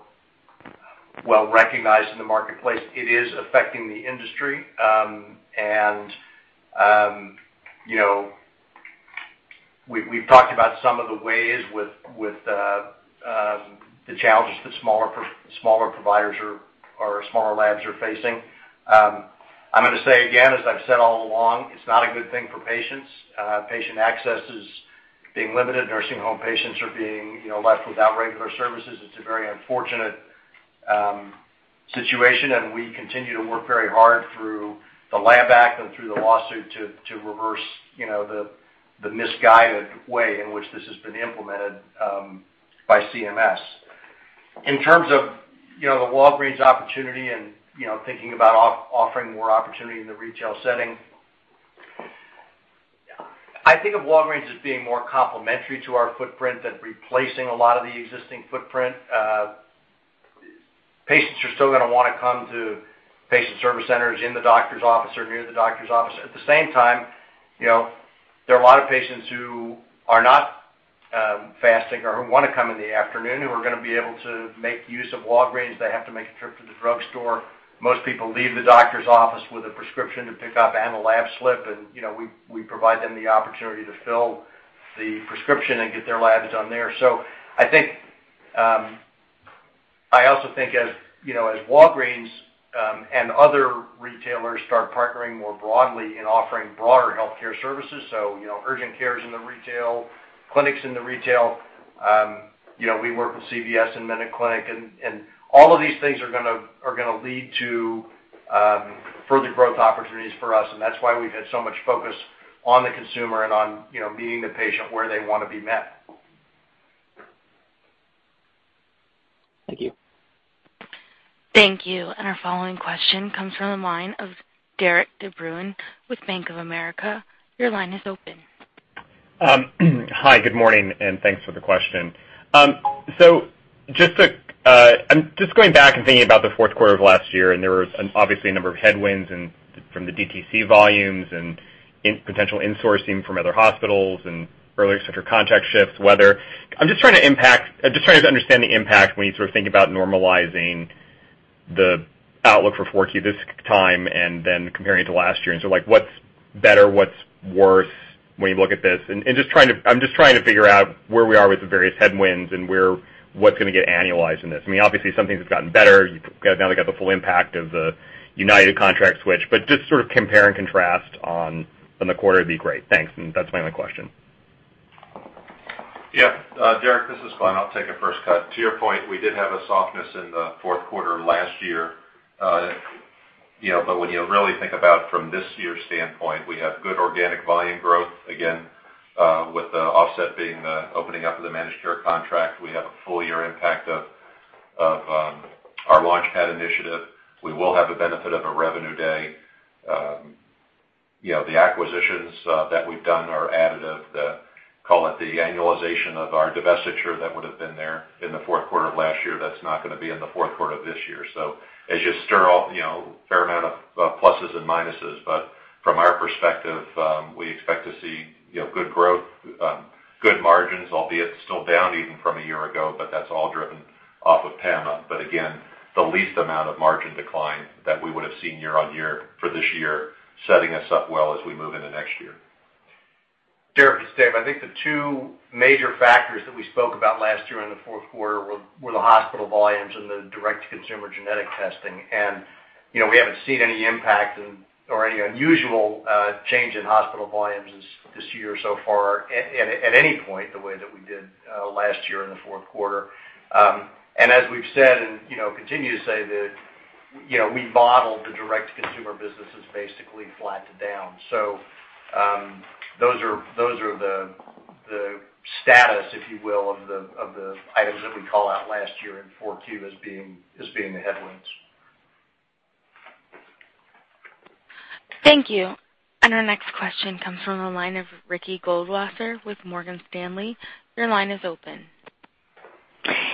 well recognized in the marketplace. It is affecting the industry. We've talked about some of the ways with the challenges that smaller providers or smaller labs are facing. I'm going to say again, as I've said all along, it's not a good thing for patients. Patient access is being limited. Nursing home patients are being left without regular services. It's a very unfortunate situation, and we continue to work very hard through the LAB Act and through the lawsuit to reverse the misguided way in which this has been implemented by CMS. In terms of the Walgreens opportunity and thinking about offering more opportunity in the retail setting, I think of Walgreens as being more complementary to our footprint than replacing a lot of the existing footprint. Patients are still going to want to come to patient service centers in the doctor's office or near the doctor's office. At the same time, there are a lot of patients who are not fasting or who want to come in the afternoon, who are going to be able to make use of Walgreens. They have to make a trip to the drugstore. Most people leave the doctor's office with a prescription to pick up and a lab slip, and we provide them the opportunity to fill the prescription and get their labs done there. I also think as Walgreens, and other retailers start partnering more broadly in offering broader healthcare services, so, urgent care is in the retail, clinics in the retail. We work with CVS and MinuteClinic. All of these things are going to lead to further growth opportunities for us. That's why we've had so much focus on the consumer and on meeting the patient where they want to be met. Thank you. Thank you. Our following question comes from the line of Derik de Bruin with Bank of America. Your line is open. Hi, good morning, thanks for the question. I'm just going back and thinking about the fourth quarter of last year. There was obviously a number of headwinds and from the DTC volumes and potential insourcing from other hospitals and earlier center contract shifts. Weather. I'm just trying to understand the impact when you think about normalizing the outlook for 4Q this time and then comparing it to last year. Like, what's better, what's worse when you look at this? I'm just trying to figure out where we are with the various headwinds and what's going to get annualized in this. I mean, obviously, some things have gotten better. Now they got the full impact of the UnitedHealthcare contract switch, just sort of compare and contrast on the quarter would be great. Thanks. That's my only question. Derik, this is Glenn. I'll take a first cut. To your point, we did have a softness in the fourth quarter last year. When you really think about from this year's standpoint, we have good organic volume growth again, with the offset being the opening up of the managed care contract. We have a full year impact of our LaunchPad initiative. We will have the benefit of a revenue day. The acquisitions that we've done are additive. Call it the annualization of our divestiture that would have been there in the fourth quarter of last year, that's not going to be in the fourth quarter of this year. As you stir all, fair amount of pluses and minuses, but from our perspective, we expect to see good growth, good margins, albeit still down even from a year ago, but that's all driven off of PAMA. Again, the least amount of margin decline that we would have seen year-over-year for this year, setting us up well as we move into next year. Derik, it's Dave. I think the two major factors that we spoke about last year in the fourth quarter were the hospital volumes and the direct-to-consumer genetic testing. We haven't seen any impact or any unusual change in hospital volumes this year so far at any point, the way that we did last year in the fourth quarter. As we've said and continue to say that we modeled the direct-to-consumer business as basically flat to down. Those are the status, if you will, of the items that we call out last year in Q4 as being the headwinds. Thank you. Our next question comes from the line of Ricky Goldwasser with Morgan Stanley. Your line is open.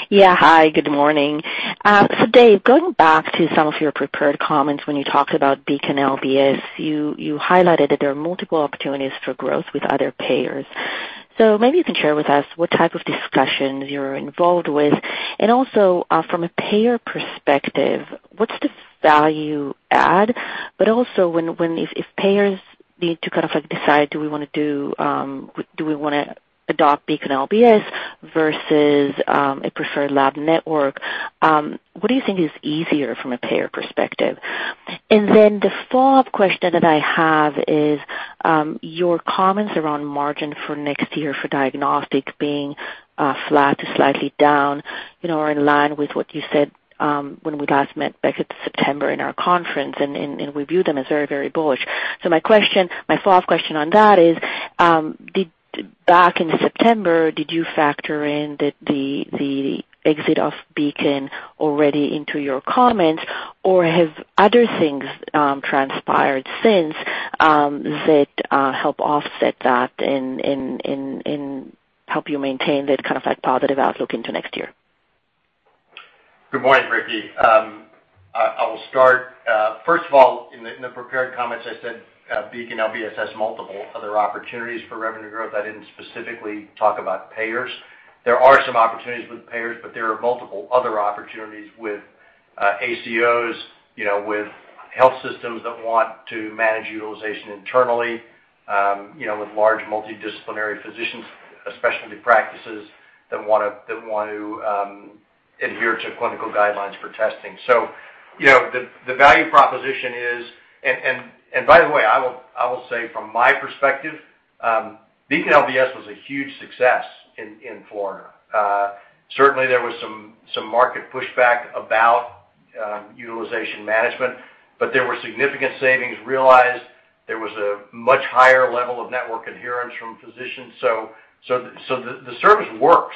Yeah. Hi, good morning. Dave, going back to some of your prepared comments when you talked about BeaconLBS, you highlighted that there are multiple opportunities for growth with other payers. Maybe you can share with us what type of discussions you're involved with. Also, from a payer perspective, what's the value add? Also if payers need to kind of decide, do we want to adopt BeaconLBS versus a preferred lab network, what do you think is easier from a payer perspective? The follow-up question that I have is, your comments around margin for next year for diagnostics being flat to slightly down are in line with what you said, when we last met back in September in our conference, and we view them as very, very bullish. My follow-up question on that is, back in September, did you factor in the exit of Beacon already into your comments, or have other things transpired since that help offset that and help you maintain that positive outlook into next year? Good morning, Ricky. I will start. First of all, in the prepared comments, I said BeaconLBS has multiple other opportunities for revenue growth. I didn't specifically talk about payers. There are some opportunities with payers, but there are multiple other opportunities with ACOs, with health systems that want to manage utilization internally, with large multidisciplinary physicians, specialty practices that want to adhere to clinical guidelines for testing. By the way, I will say from my perspective, BeaconLBS was a huge success in Florida. Certainly, there was some market pushback about utilization management, but there were significant savings realized. There was a much higher level of network adherence from physicians. The service works.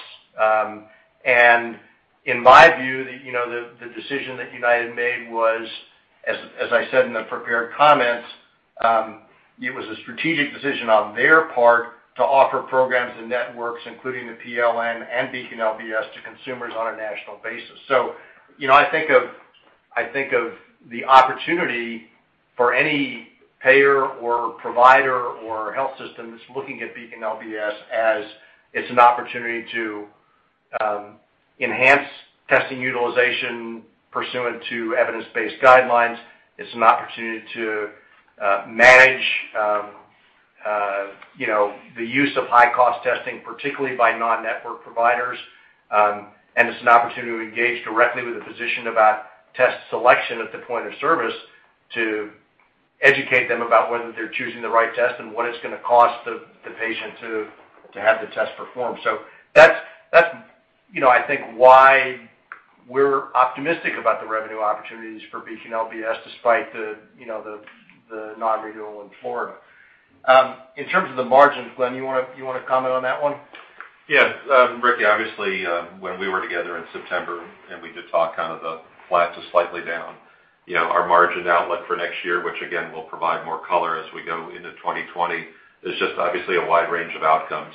In my view, the decision that United made was, as I said in the prepared comments, it was a strategic decision on their part to offer programs and networks, including the PLN and BeaconLBS, to consumers on a national basis. I think of the opportunity for any payer or provider or health system that's looking at BeaconLBS as it's an opportunity to enhance testing utilization pursuant to evidence-based guidelines. It's an opportunity to manage the use of high-cost testing, particularly by non-network providers. It's an opportunity to engage directly with the physician about test selection at the point of service to educate them about whether they're choosing the right test and what it's going to cost the patient to have the test performed. That's, I think, why we're optimistic about the revenue opportunities for BeaconLBS despite the non-renewal in Florida. In terms of the margins, Glenn, you want to comment on that one? Yes. Ricky, obviously, when we were together in September and we did talk kind of the flat to slightly down, our margin outlet for next year, which again, we'll provide more color as we go into 2020, is just obviously a wide range of outcomes.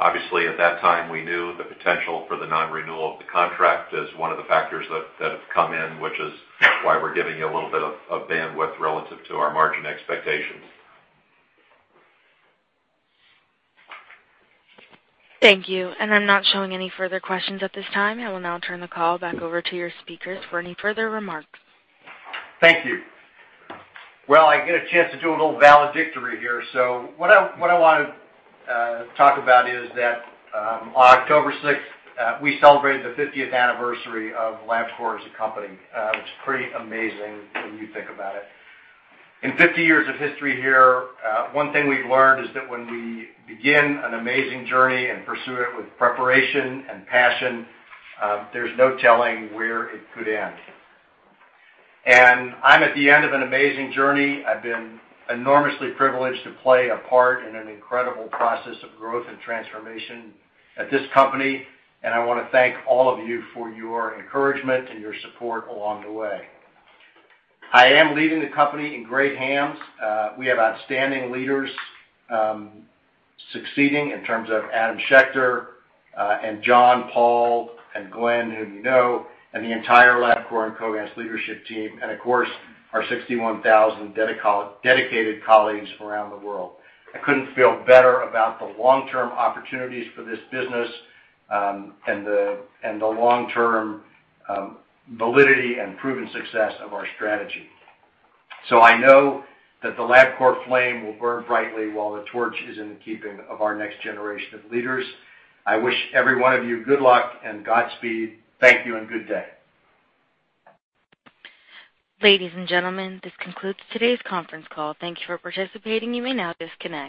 Obviously, at that time, we knew the potential for the non-renewal of the contract as one of the factors that have come in, which is why we're giving you a little bit of bandwidth relative to our margin expectations. Thank you. I'm not showing any further questions at this time. I will now turn the call back over to your speakers for any further remarks. Thank you. I get a chance to do a little valedictory here. What I want to talk about is that on October 6th, we celebrated the 50th anniversary of Labcorp as a company, which is pretty amazing when you think about it. In 50 years of history here, one thing we've learned is that when we begin an amazing journey and pursue it with preparation and passion, there's no telling where it could end. I'm at the end of an amazing journey. I've been enormously privileged to play a part in an incredible process of growth and transformation at this company, and I want to thank all of you for your encouragement and your support along the way. I am leaving the company in great hands. We have outstanding leaders succeeding in terms of Adam Schechter and John, Paul, and Glenn, who you know, and the entire Labcorp and Covance leadership team, and of course, our 61,000 dedicated colleagues around the world. I couldn't feel better about the long-term opportunities for this business, and the long-term validity and proven success of our strategy. I know that the Labcorp flame will burn brightly while the torch is in the keeping of our next generation of leaders. I wish every one of you good luck and Godspeed. Thank you and good day. Ladies and gentlemen, this concludes today's conference call. Thank you for participating. You may now disconnect.